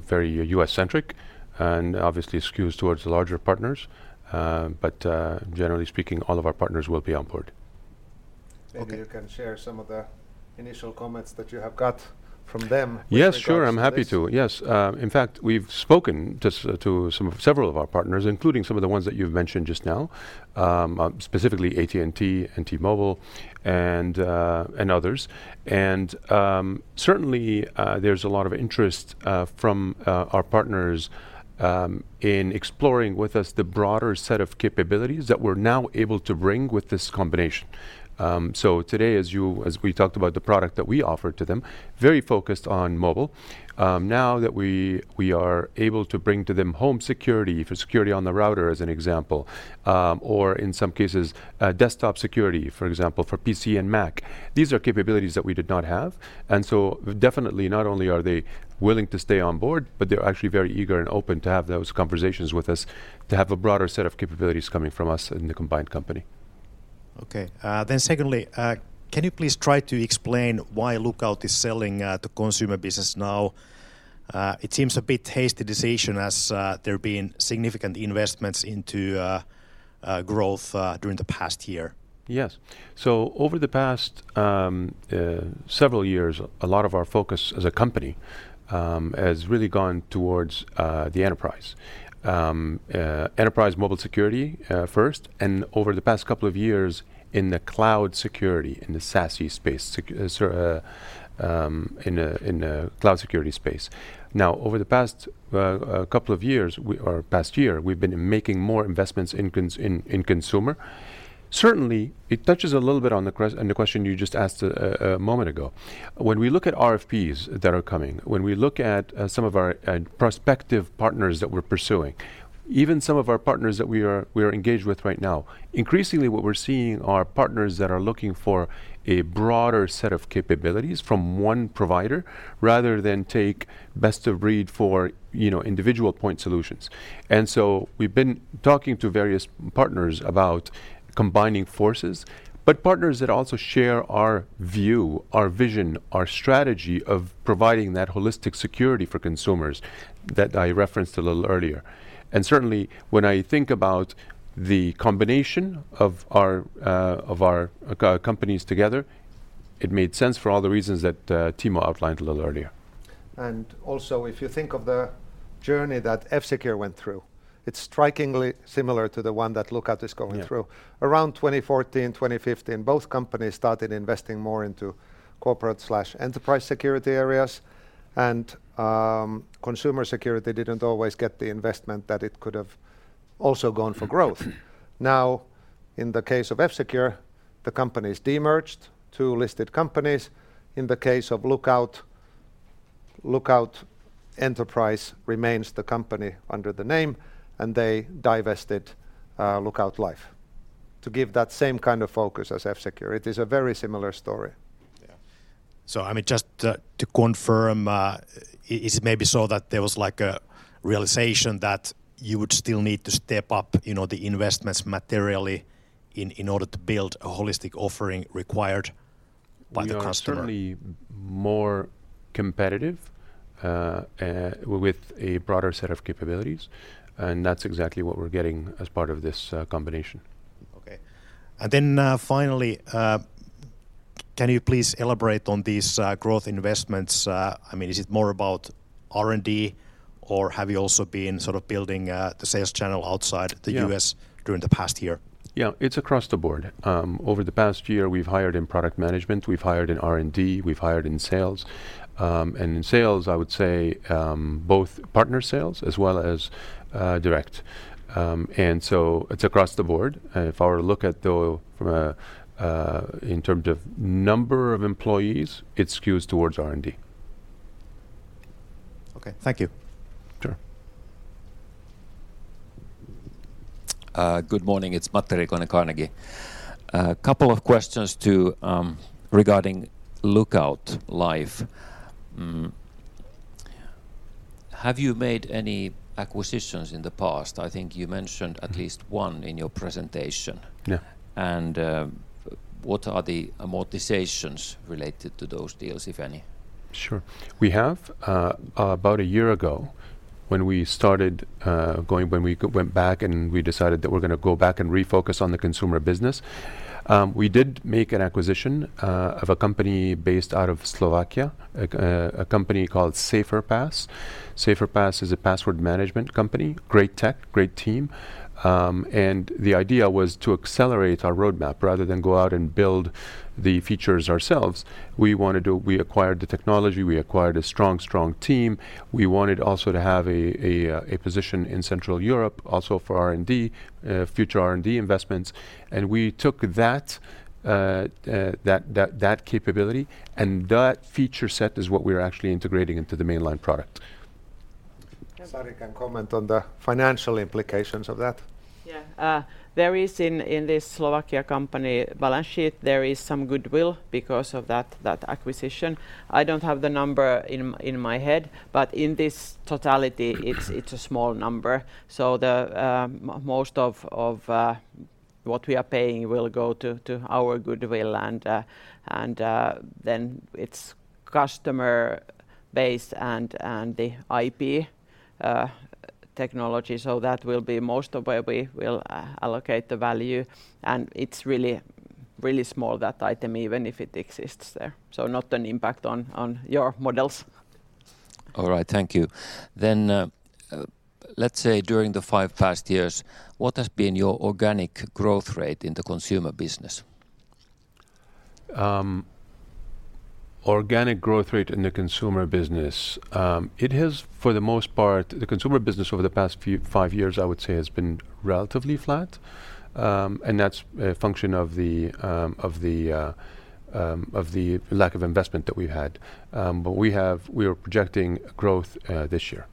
very U.S.-centric and obviously skewed towards the larger partners. Generally speaking, all of our partners will be on board. Okay. Maybe you can share some of the initial comments that you have got from them. Yeah, sure.... in regards to this. I'm happy to. Yes. In fact, we've spoken just to several of our partners, including some of the ones that you've mentioned just now. Specifically AT&T, T-Mobile and others. Certainly, there's a lot of interest from our partners in exploring with us the broader set of capabilities that we're now able to bring with this combination. Today, as we talked about the product that we offer to them, very focused on mobile. Now that we are able to bring to them home security, for security on the router as an example, or in some cases, desktop security, for example, for PC and Mac. These are capabilities that we did not have. Definitely not only are they willing to stay on board, but they're actually very eager and open to have those conversations with us to have a broader set of capabilities coming from us in the combined company. Okay. Secondly, can you please try to explain why Lookout is selling the consumer business now? It seems a bit hasty decision as there have been significant investments into growth during the past year. Yes. Over the past several years, a lot of our focus as a company has really gone towards the enterprise. Enterprise mobile security first, and over the past couple of years in the cloud security, in the SASE space, in a cloud security space. Over the past couple of years, or past year, we've been making more investments in consumer. Certainly, it touches a little bit on the question you just asked a moment ago. When we look at RFPs that are coming, when we look at some of our prospective partners that we're pursuing, even some of our partners that we are engaged with right now, increasingly what we're seeing are partners that are looking for a broader set of capabilities from one provider rather than take best of breed for, you know, individual point solutions. We've been talking to various partners about combining forces, but partners that also share our view, our vision, our strategy of providing that holistic security for consumers that I referenced a little earlier. Certainly, when I think about the combination of our of our co- companies together, it made sense for all the reasons that Timo outlined a little earlier. Also, if you think of the journey that F-Secure went through, it's strikingly similar to the one that Lookout is going through. Yeah. Around 2014, 2015, both companies started investing more into corporate/enterprise security areas, and consumer security didn't always get the investment that it could have also gone for growth. Now, in the case of F-Secure, the company's demerged two listed companies. In the case of Lookout enterprise remains the company under the name, and they divested Lookout Life to give that same kind of focus as F-Secure. It is a very similar story. Yeah. I mean, just to confirm, is it maybe so that there was like a realization that you would still need to step up, you know, the investments materially in order to build a holistic offering required by the customer? We are certainly more competitive with a broader set of capabilities. That's exactly what we're getting as part of this combination. Okay. Finally, can you please elaborate on these growth investments? I mean, is it more about R&D or have you also been sort of building the sales channel outside? Yeah... U.S. during the past year? Yeah. It's across the board. Over the past year, we've hired in product management, we've hired in R&D, we've hired in sales. In sales, I would say, both partner sales as well as direct. It's across the board. If I were to look at the in terms of number of employees, it skews towards R&D. Okay. Thank you. Sure. Good morning. It's Matti Riikonen Carnegie. A couple of questions to, regarding Lookout Life. Have you made any acquisitions in the past? I think you mentioned at least one in your presentation. Yeah. What are the amortizations related to those deals, if any? Sure. We have about a year ago when we started when we went back and we decided that we're gonna go back and refocus on the consumer business, we did make an acquisition of a company based out of Slovakia, a company called Saferpass. Saferpass is a password management company. Great tech, great team. And the idea was to accelerate our roadmap rather than go out and build the features ourselves. We acquired the technology, we acquired a strong team. We wanted also to have a position in Central Europe also for R&D, future R&D investments. We took that capability, and that feature set is what we're actually integrating into the mainline product. Sari can comment on the financial implications of that. Yeah. There is in this Slovakia company balance sheet, there is some goodwill because of that acquisition. I don't have the number in my head, but in this totality, it's a small number. The most of what we are paying will go to our goodwill and then it's customer base and the IP technology. That will be most of where we will allocate the value and it's really small that item even if it exists there. Not an impact on your models. All right, thank you. Let's say during the five past years, what has been your organic growth rate in the consumer business? Organic growth rate in the consumer business. The consumer business over the past 5 years I would say has been relatively flat. That's a function of the lack of investment that we had. We are projecting growth this year.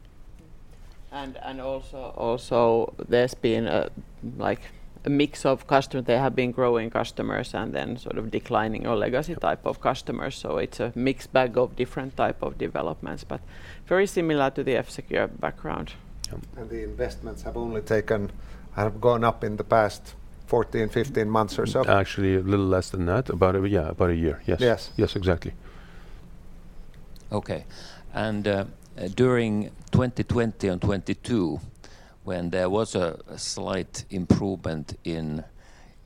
Also, there's been a, like, a mix of customer. There have been growing customers and then sort of declining or legacy type of customers. It's a mixed bag of different type of developments, but very similar to the F-Secure background. Yeah. The investments have only gone up in the past 14, 15 months or so. Actually a little less than that. About a, yeah, about a year. Yes. Yes. Yes, exactly. Okay. during 2020 and 2022, when there was a slight improvement in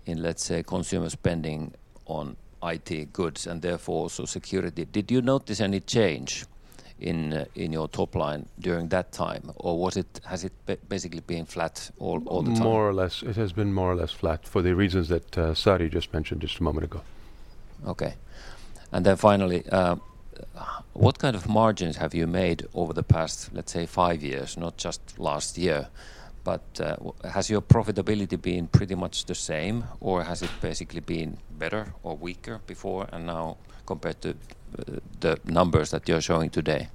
let's say, consumer spending on IT goods and therefore also security, did you notice any change in your top line during that time or has it basically been flat all the time? More or less. It has been more or less flat for the reasons that Sari just mentioned just a moment ago. Okay. Finally, what kind of margins have you made over the past, let's say, five years, not just last year, but has your profitability been pretty much the same or has it basically been better or weaker before and now compared to the numbers that you're showing today?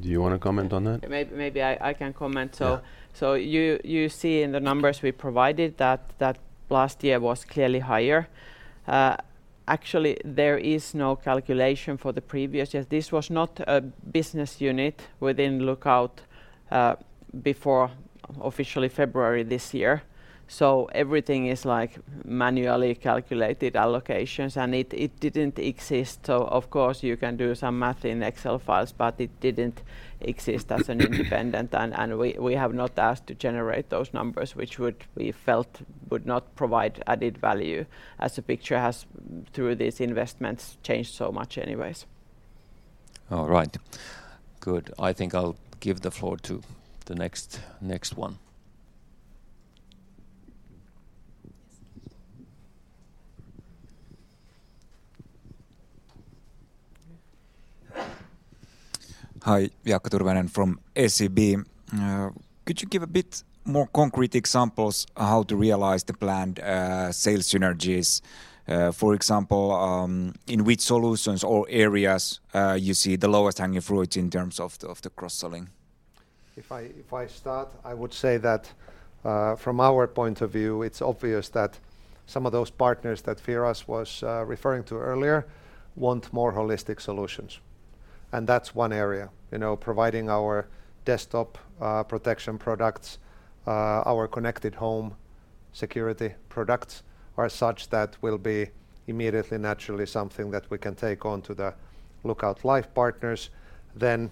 Do you wanna comment on that? maybe I can comment. Yeah. You see in the numbers we provided that last year was clearly higher. Actually, there is no calculation for the previous years. This was not a business unit within Lookout before officially February this year. Everything is like manually calculated allocations and it didn't exist. Of course, you can do some math in Excel files, but it didn't exist as an independent and we have not asked to generate those numbers which we felt would not provide added value as the picture has through these investments changed so much anyways. All right. Good. I think I'll give the floor to the next one. Hi. Jaakko Tyrväinen from SEB. Could you give a bit more concrete examples how to realize the planned sales synergies? For example, in which solutions or areas, you see the lowest hanging fruits in terms of the cross-selling? If I start, I would say that, from our point of view it's obvious that some of those partners that Firas was referring to earlier want more holistic solutions and that's one area. You know, providing our desktop protection products, our connected home security products are such that will be immediately naturally something that we can take on to the Lookout Life partners. Then,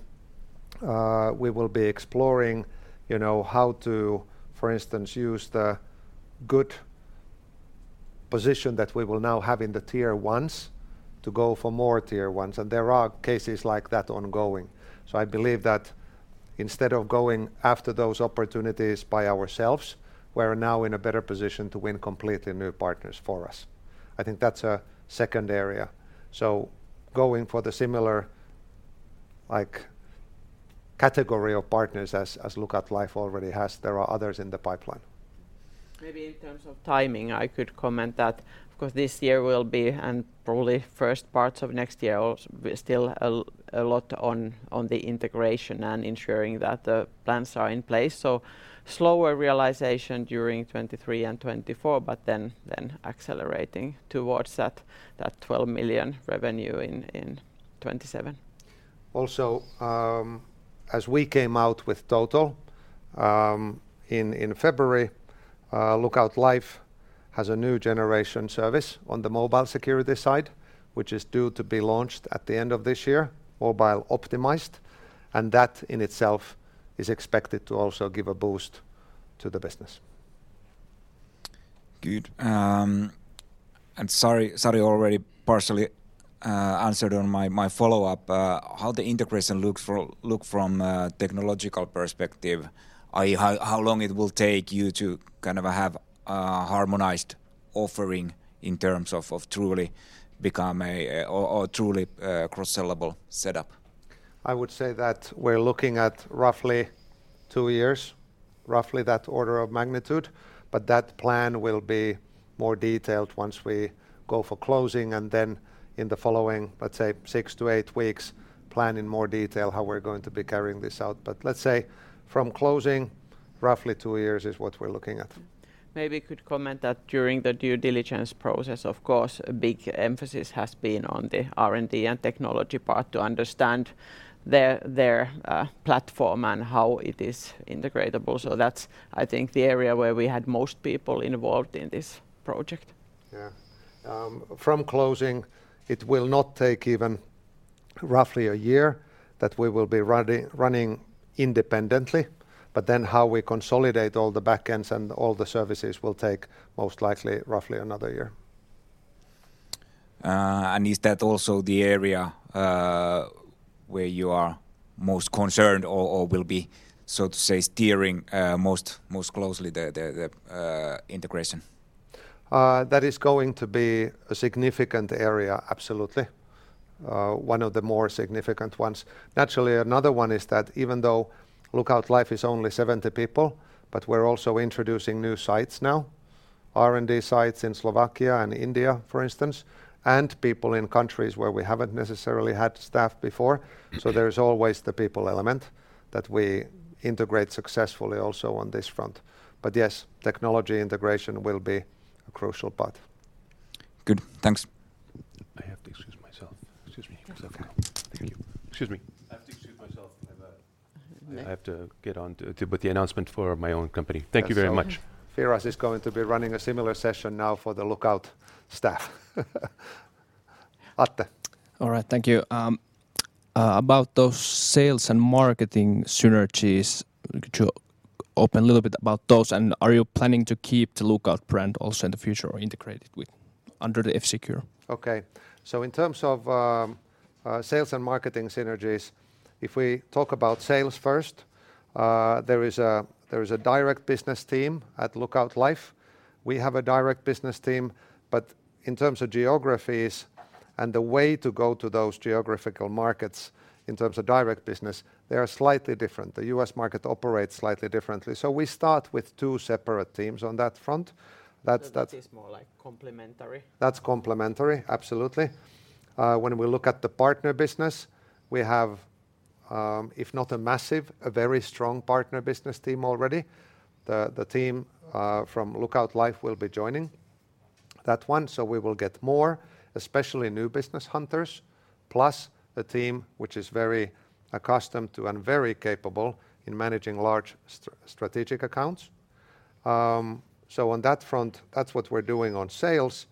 we will be exploring, you know, how to, for instance, use the good position that we will now have in the tier ones to go for more tier ones and there are cases like that ongoing. I believe that instead of going after those opportunities by ourselves, we're now in a better position to win completely new partners for us. I think that's a second area. Going for the similar like category of partners as Lookout Life already has, there are others in the pipeline. Maybe in terms of timing I could comment that of course this year will be and probably first parts of next year still a lot on the integration and ensuring that the plans are in place. Slower realization during 2023 and 2024 but then accelerating towards that 12 million revenue in 2027. As we came out with Total, in February, Lookout Life has a new generation service on the mobile security side which is due to be launched at the end of this year mobile optimized and that in itself is expected to also give a boost to the business. Good. Sari already partially answered on my follow-up. How the integration looks from technological perspective, i.e., how long it will take you to kind of have a harmonized offering in terms of truly become a or truly a cross-sellable setup? I would say that we're looking at roughly 2 years, roughly that order of magnitude. That plan will be more detailed once we go for closing and then in the following let's say 6-8 weeks plan in more detail how we're going to be carrying this out. Let's say from closing roughly 2 years is what we're looking at. Maybe could comment that during the due diligence process, of course a big emphasis has been on the R&D and technology part to understand their platform and how it is integratable. So that's, I think, the area where we had most people involved in this project. Yeah. From closing, it will not take even roughly a year that we will be running independently. How we consolidate all the backends and all the services will take most likely roughly another year. Is that also the area where you are most concerned or will be, so to say, steering most closely the integration? That is going to be a significant area, absolutely. One of the more significant ones. Naturally, another one is that even though Lookout Life is only 70 people, we're also introducing new sites now, R&D sites in Slovakia and India, for instance, and people in countries where we haven't necessarily had staff before. Mm-hmm. There's always the people element that we integrate successfully also on this front. Yes, technology integration will be a crucial part. Good. Thanks. I have to excuse myself. Excuse me. It's okay. Thank you. Excuse me. I have to excuse myself. I have. Mm-hmm I have to get on with the announcement for my own company. Thank you very much. That's all right. Firas is going to be running a similar session now for the Lookout staff. Atte. All right. Thank you. About those sales and marketing synergies, could you open a little bit about those? Are you planning to keep the Lookout brand also in the future or integrate it with, under the F-Secure? Okay. In terms of sales and marketing synergies, if we talk about sales first, there is a direct business team at Lookout Life. We have a direct business team. In terms of geographies and the way to go to those geographical markets in terms of direct business, they are slightly different. The US market operates slightly differently. We start with two separate teams on that front. That's. It is more like complementary. That's complementary, absolutely. When we look at the partner business, we have, if not a massive, a very strong partner business team already. The team from Lookout Life will be joining that one, so we will get more, especially new business hunters, plus a team which is very accustomed to and very capable in managing large strategic accounts. On that front, that's what we're doing on sales.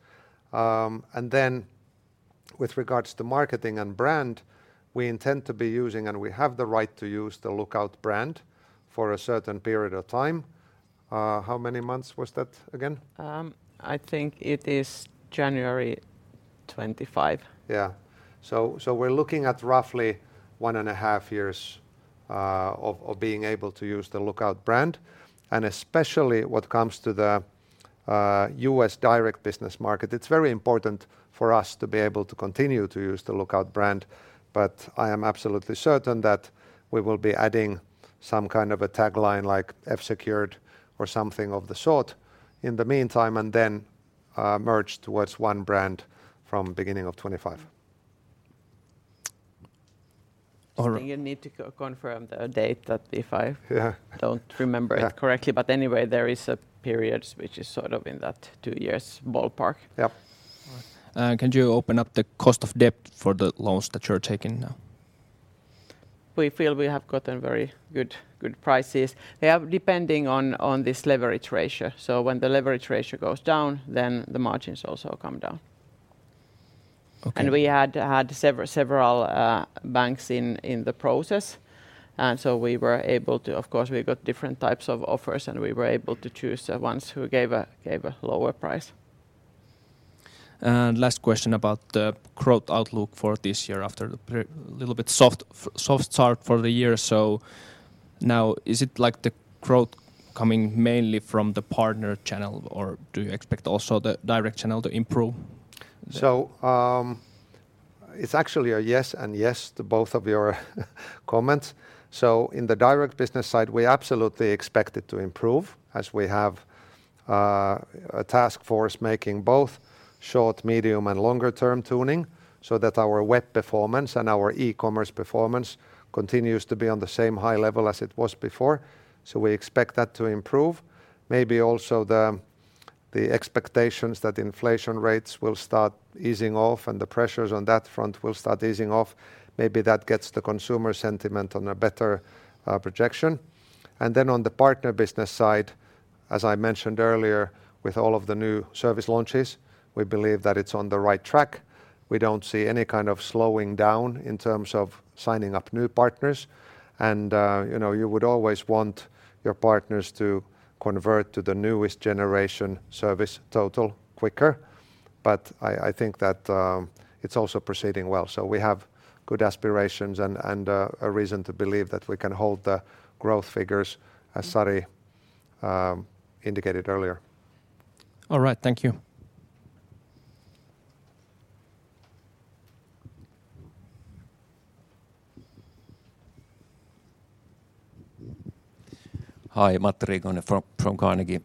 With regards to marketing and brand, we intend to be using, and we have the right to use, the Lookout brand for a certain period of time. How many months was that again? I think it is January 25. Yeah. We're looking at roughly one and a half years of being able to use the Lookout brand, and especially when it comes to the U.S. direct business market. It's very important for us to be able to continue to use the Lookout brand, I am absolutely certain that we will be adding some kind of a tagline like F-Secured or something of the sort in the meantime, and then merge towards one brand from beginning of 2025. Mm-hmm. All right. You need to confirm the date that. Yeah don't remember- Yeah... it correctly. Anyway, there is a period which is sort of in that two years ballpark. Yeah. All right. Can you open up the cost of debt for the loans that you're taking now? We feel we have gotten very good prices. They are depending on this leverage ratio. When the leverage ratio goes down, then the margins also come down. Okay. We had several banks in the process, and so we were able to... Of course, we got different types of offers, and we were able to choose the ones who gave a lower price. Last question about the growth outlook for this year after the little bit soft start for the year. Now is it, like, the growth coming mainly from the partner channel, or do you expect also the direct channel to improve? It's actually a yes and yes to both of your comments. In the direct business side, we absolutely expect it to improve as we have a task force making both short, medium, and longer term tuning so that our web performance and our e-commerce performance continues to be on the same high level as it was before. We expect that to improve. Maybe also the expectations that inflation rates will start easing off and the pressures on that front will start easing off, maybe that gets the consumer sentiment on a better projection. On the partner business side, as I mentioned earlier with all of the new service launches, we believe that it's on the right track. We don't see any kind of slowing down in terms of signing up new partners. You know, you would always want your partners to convert to the newest generation service Total quicker. I think that it's also proceeding well. We have good aspirations and a reason to believe that we can hold the growth figures as Sari indicated earlier. All right. Thank you. Hi. Matti Riikonen from Carnegie.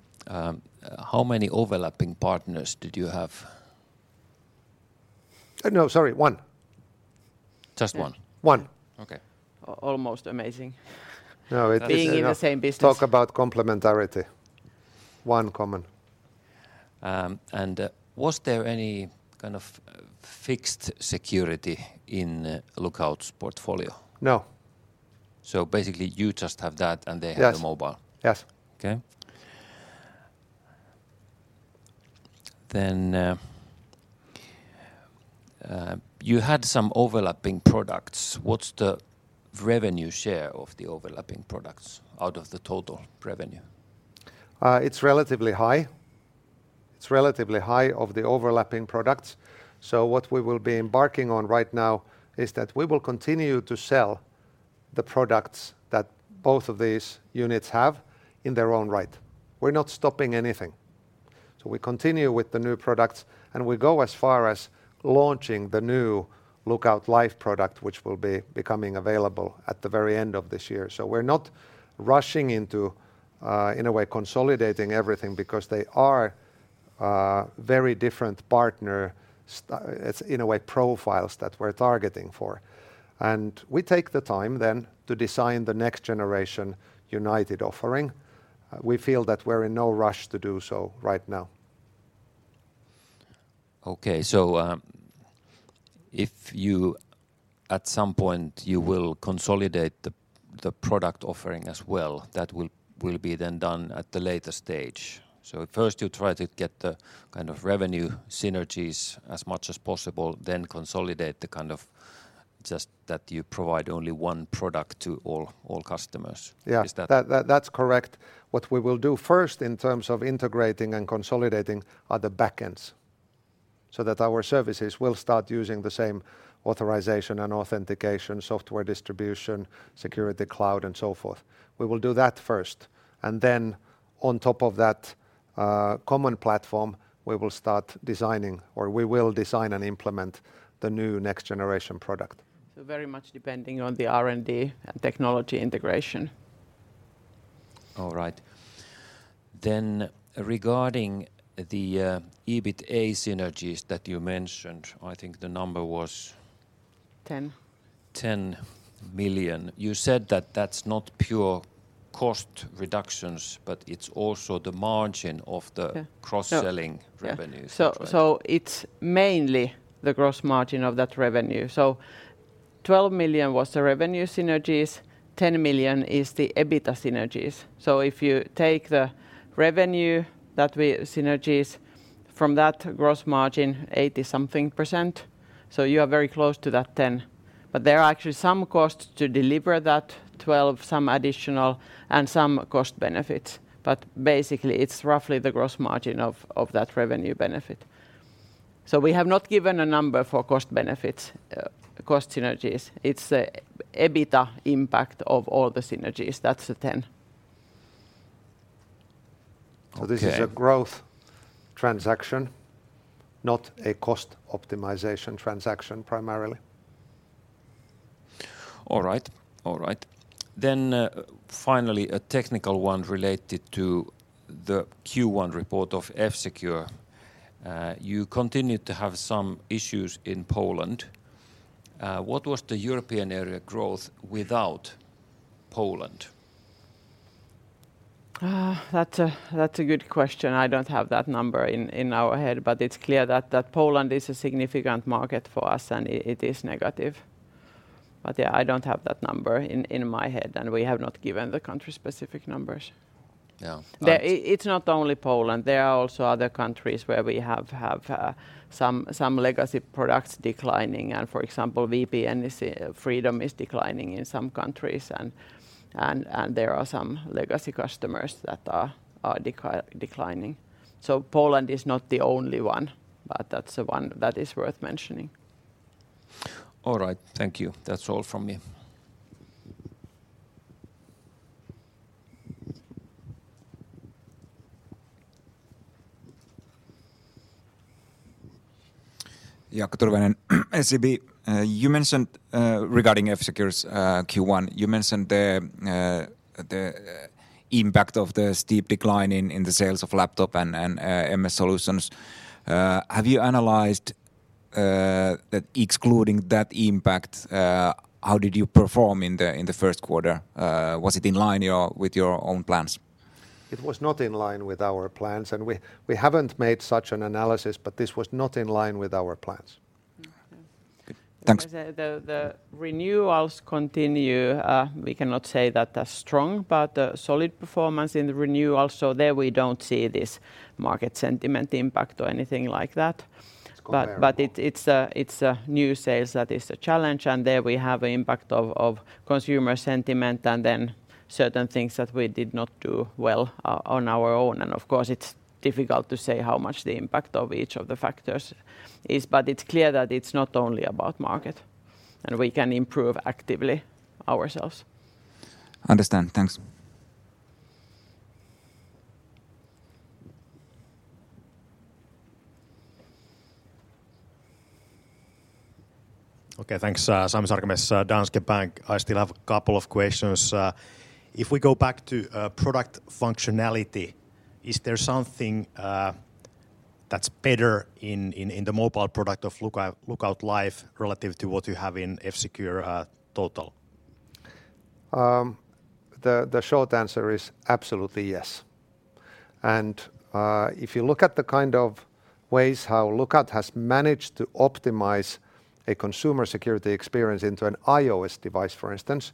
How many overlapping partners did you have? No, sorry. One. Just one? One. Okay. almost amazing- No. being in the same business... talk about complementarity. One common. Was there any kind of fixed security in Lookout's portfolio? No Basically you just have that and they have. Yes... the mobile. Yes. Okay. You had some overlapping products. What's the revenue share of the overlapping products out of the total revenue? It's relatively high of the overlapping products. What we will be embarking on right now is that we will continue to sell the products that both of these units have in their own right. We're not stopping anything. We continue with the new products, and we go as far as launching the new Lookout Life product, which will be becoming available at the very end of this year. We're not rushing into in a way consolidating everything because they are very different partner profiles that we're targeting for. We take the time then to design the next generation united offering. We feel that we're in no rush to do so right now. Okay. If you at some point you will consolidate the product offering as well, that will be then done at the later stage. First you try to get the kind of revenue synergies as much as possible, then consolidate the kind of just that you provide only one product to all customers. Yeah. Is that- That's correct. What we will do first in terms of integrating and consolidating are the backends so that our services will start using the same authorization and authentication, software distribution, security cloud, and so forth. We will do that first, and then on top of that, common platform, we will design and implement the new next-generation product. very much depending on the R&D and technology integration. All right. regarding the EBITA synergies that you mentioned, I think the number. 10... 10 million. You said that that's not pure cost reductions, but it's also the margin of the- Yeah... cross-selling No. Yeah.... revenues, right? It's mainly the gross margin of that revenue. 12 million was the revenue synergies, 10 million is the EBITA synergies. If you take the revenue that we, synergies from that gross margin, 80-something%, you are very close to that 10 million. There are actually some costs to deliver that 12 million, some additional, and some cost benefits. Basically, it's roughly the gross margin of that revenue benefit. We have not given a number for cost benefits, cost synergies. It's a EBITA impact of all the synergies. That's the 10 million. Okay. This is a growth transaction, not a cost optimization transaction primarily. All right. All right. finally, a technical one related to the Q1 report of F-Secure. you continued to have some issues in Poland. what was the European area growth without Poland? That's a good question. I don't have that number in our head, but it's clear that Poland is a significant market for us, and it is negative. Yeah, I don't have that number in my head, and we have not given the country-specific numbers. Yeah. It's not only Poland. There are also other countries where we have some legacy products declining. For example, VPN is FREEDOME is declining in some countries and there are some legacy customers that are declining. Poland is not the only one, but that's the one that is worth mentioning. All right. Thank you. That's all from me. You mentioned regarding F-Secure's Q1, you mentioned the impact of the steep decline in the sales of laptop and MS solutions. Have you analyzed that excluding that impact, how did you perform in the first quarter? Was it in line with your own plans? It was not in line with our plans, and we haven't made such an analysis, but this was not in line with our plans. Okay. Thanks. I would say the renewals continue. We cannot say that they're strong, but a solid performance in the renewals. There we don't see this market sentiment impact or anything like that. It's comparable. It's new sales that is a challenge, and there we have impact of consumer sentiment and then certain things that we did not do well on our own. Of course, it's difficult to say how much the impact of each of the factors is, but it's clear that it's not only about market, and we can improve actively ourselves. Understand. Thanks. Okay. Thanks. Sami Sarkamies, Danske Bank. I still have a couple of questions. If we go back to product functionality, is there something that's better in the mobile product of Lookout Life relative to what you have in F-Secure Total? The short answer is absolutely yes. If you look at the kind of ways how Lookout has managed to optimize a consumer security experience into an iOS device, for instance,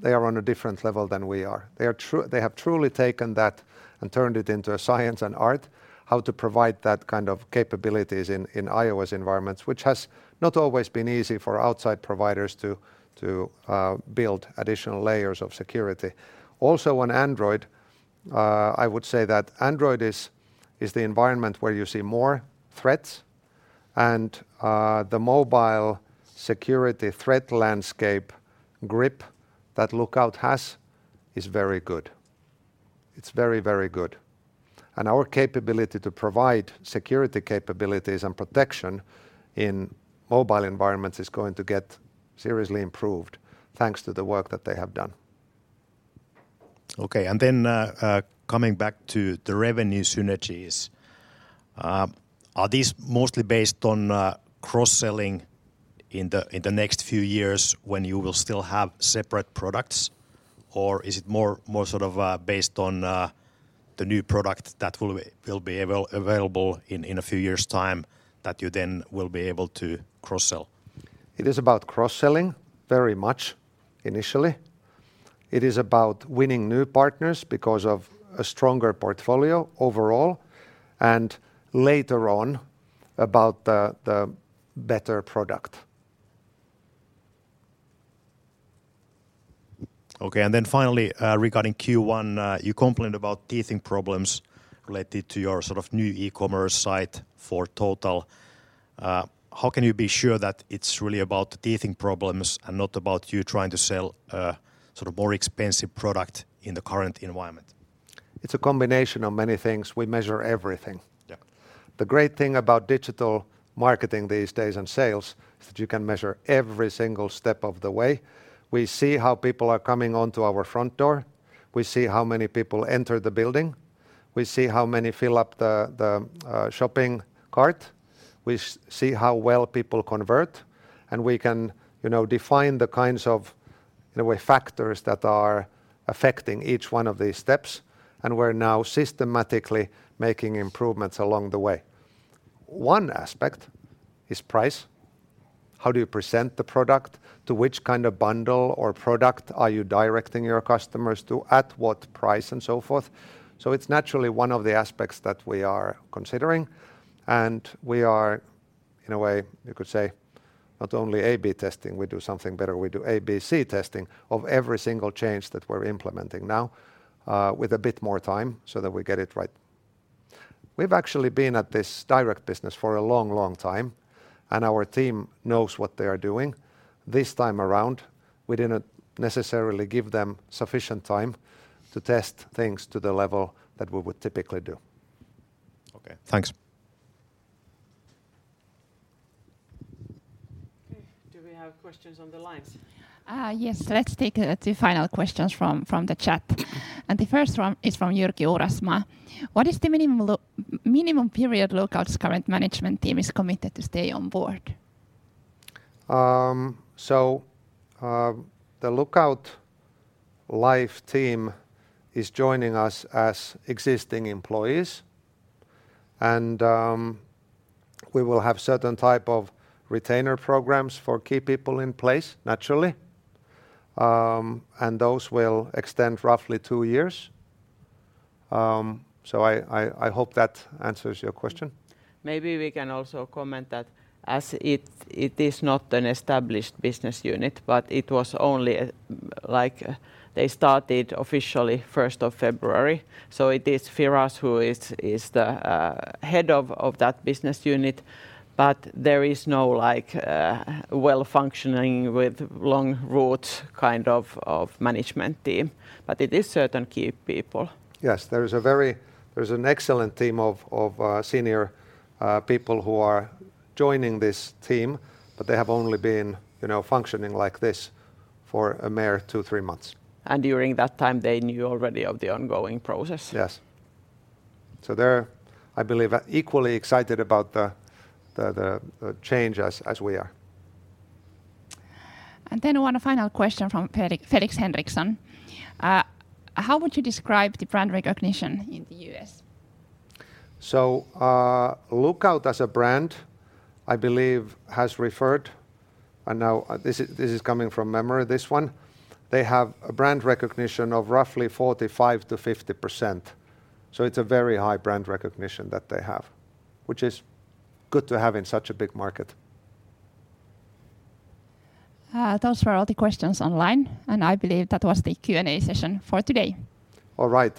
they are on a different level than we are. They have truly taken that and turned it into a science and art how to provide that kind of capabilities in iOS environments, which has not always been easy for outside providers to build additional layers of security. Also, on Android, I would say that Android is the environment where you see more threats, and the mobile security threat landscape grip that Lookout has is very good. It's very, very good. Our capability to provide security capabilities and protection in mobile environments is going to get seriously improved, thanks to the work that they have done. Okay. Coming back to the revenue synergies, are these mostly based on cross-selling in the next few years when you will still have separate products, or is it more sort of based on the new product that will be available in a few years' time that you then will be able to cross-sell? It is about cross-selling very much initially. It is about winning new partners because of a stronger portfolio overall, and later on, about the better product. Okay. Finally, regarding Q1, you complained about teething problems related to your sort of new e-commerce site for Total. How can you be sure that it's really about teething problems and not about you trying to sell a sort of more expensive product in the current environment? It's a combination of many things. We measure everything. Yeah. The great thing about digital marketing these days and sales is that you can measure every single step of the way. We see how people are coming onto our front door. We see how many people enter the building. We see how many fill up the shopping cart. We see how well people convert, and we can, you know, define the kinds of, in a way, factors that are affecting each one of these steps, and we're now systematically making improvements along the way. One aspect is price. How do you present the product? To which kind of bundle or product are you directing your customers to, at what price, and so forth? It's naturally one of the aspects that we are considering, and we are, in a way, you could say, not only A/B testing, we do something better. We do A/B/C testing of every single change that we're implementing now, with a bit more time so that we get it right. We've actually been at this direct business for a long, long time, and our team knows what they are doing. This time around, we didn't necessarily give them sufficient time to test things to the level that we would typically do. Okay, thanks. Okay. Do we have questions on the lines? Yes. Let's take 2 final questions from the chat. The first one is from Jyrki Orasmaa: "What is the minimum period Lookout's current management team is committed to stay on board? The Lookout Life team is joining us as existing employees, and we will have certain type of retainer programs for key people in place, naturally. Those will extend roughly two years. I hope that answers your question. Maybe we can also comment that as it is not an established business unit, but it was only, like, they started officially 1st of February, it is Firas who is the head of that business unit. There is no, like, well-functioning with long roots kind of management team, but it is certain key people. Yes. There's an excellent team of senior people who are joining this team, they have only been, you know, functioning like this for a mere two, three months. During that time, they knew already of the ongoing process. Yes. They're, I believe, equally excited about the change as we are. One final question from Felix Henrikson: How would you describe the brand recognition in the U.S.? Lookout as a brand, I believe, has referred, and now this is coming from memory, this one. They have a brand recognition of roughly 45%-50%. It's a very high brand recognition that they have, which is good to have in such a big market. Those were all the questions online, and I believe that was the Q&A session for today. All right.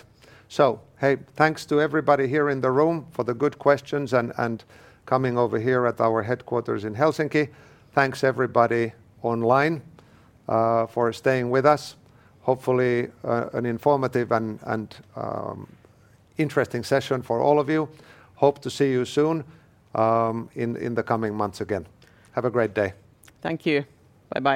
Hey, thanks to everybody here in the room for the good questions and coming over here at our headquarters in Helsinki. Thanks, everybody online, for staying with us. Hopefully, an informative and interesting session for all of you. Hope to see you soon, in the coming months again. Have a great day. Thank you. Bye-bye.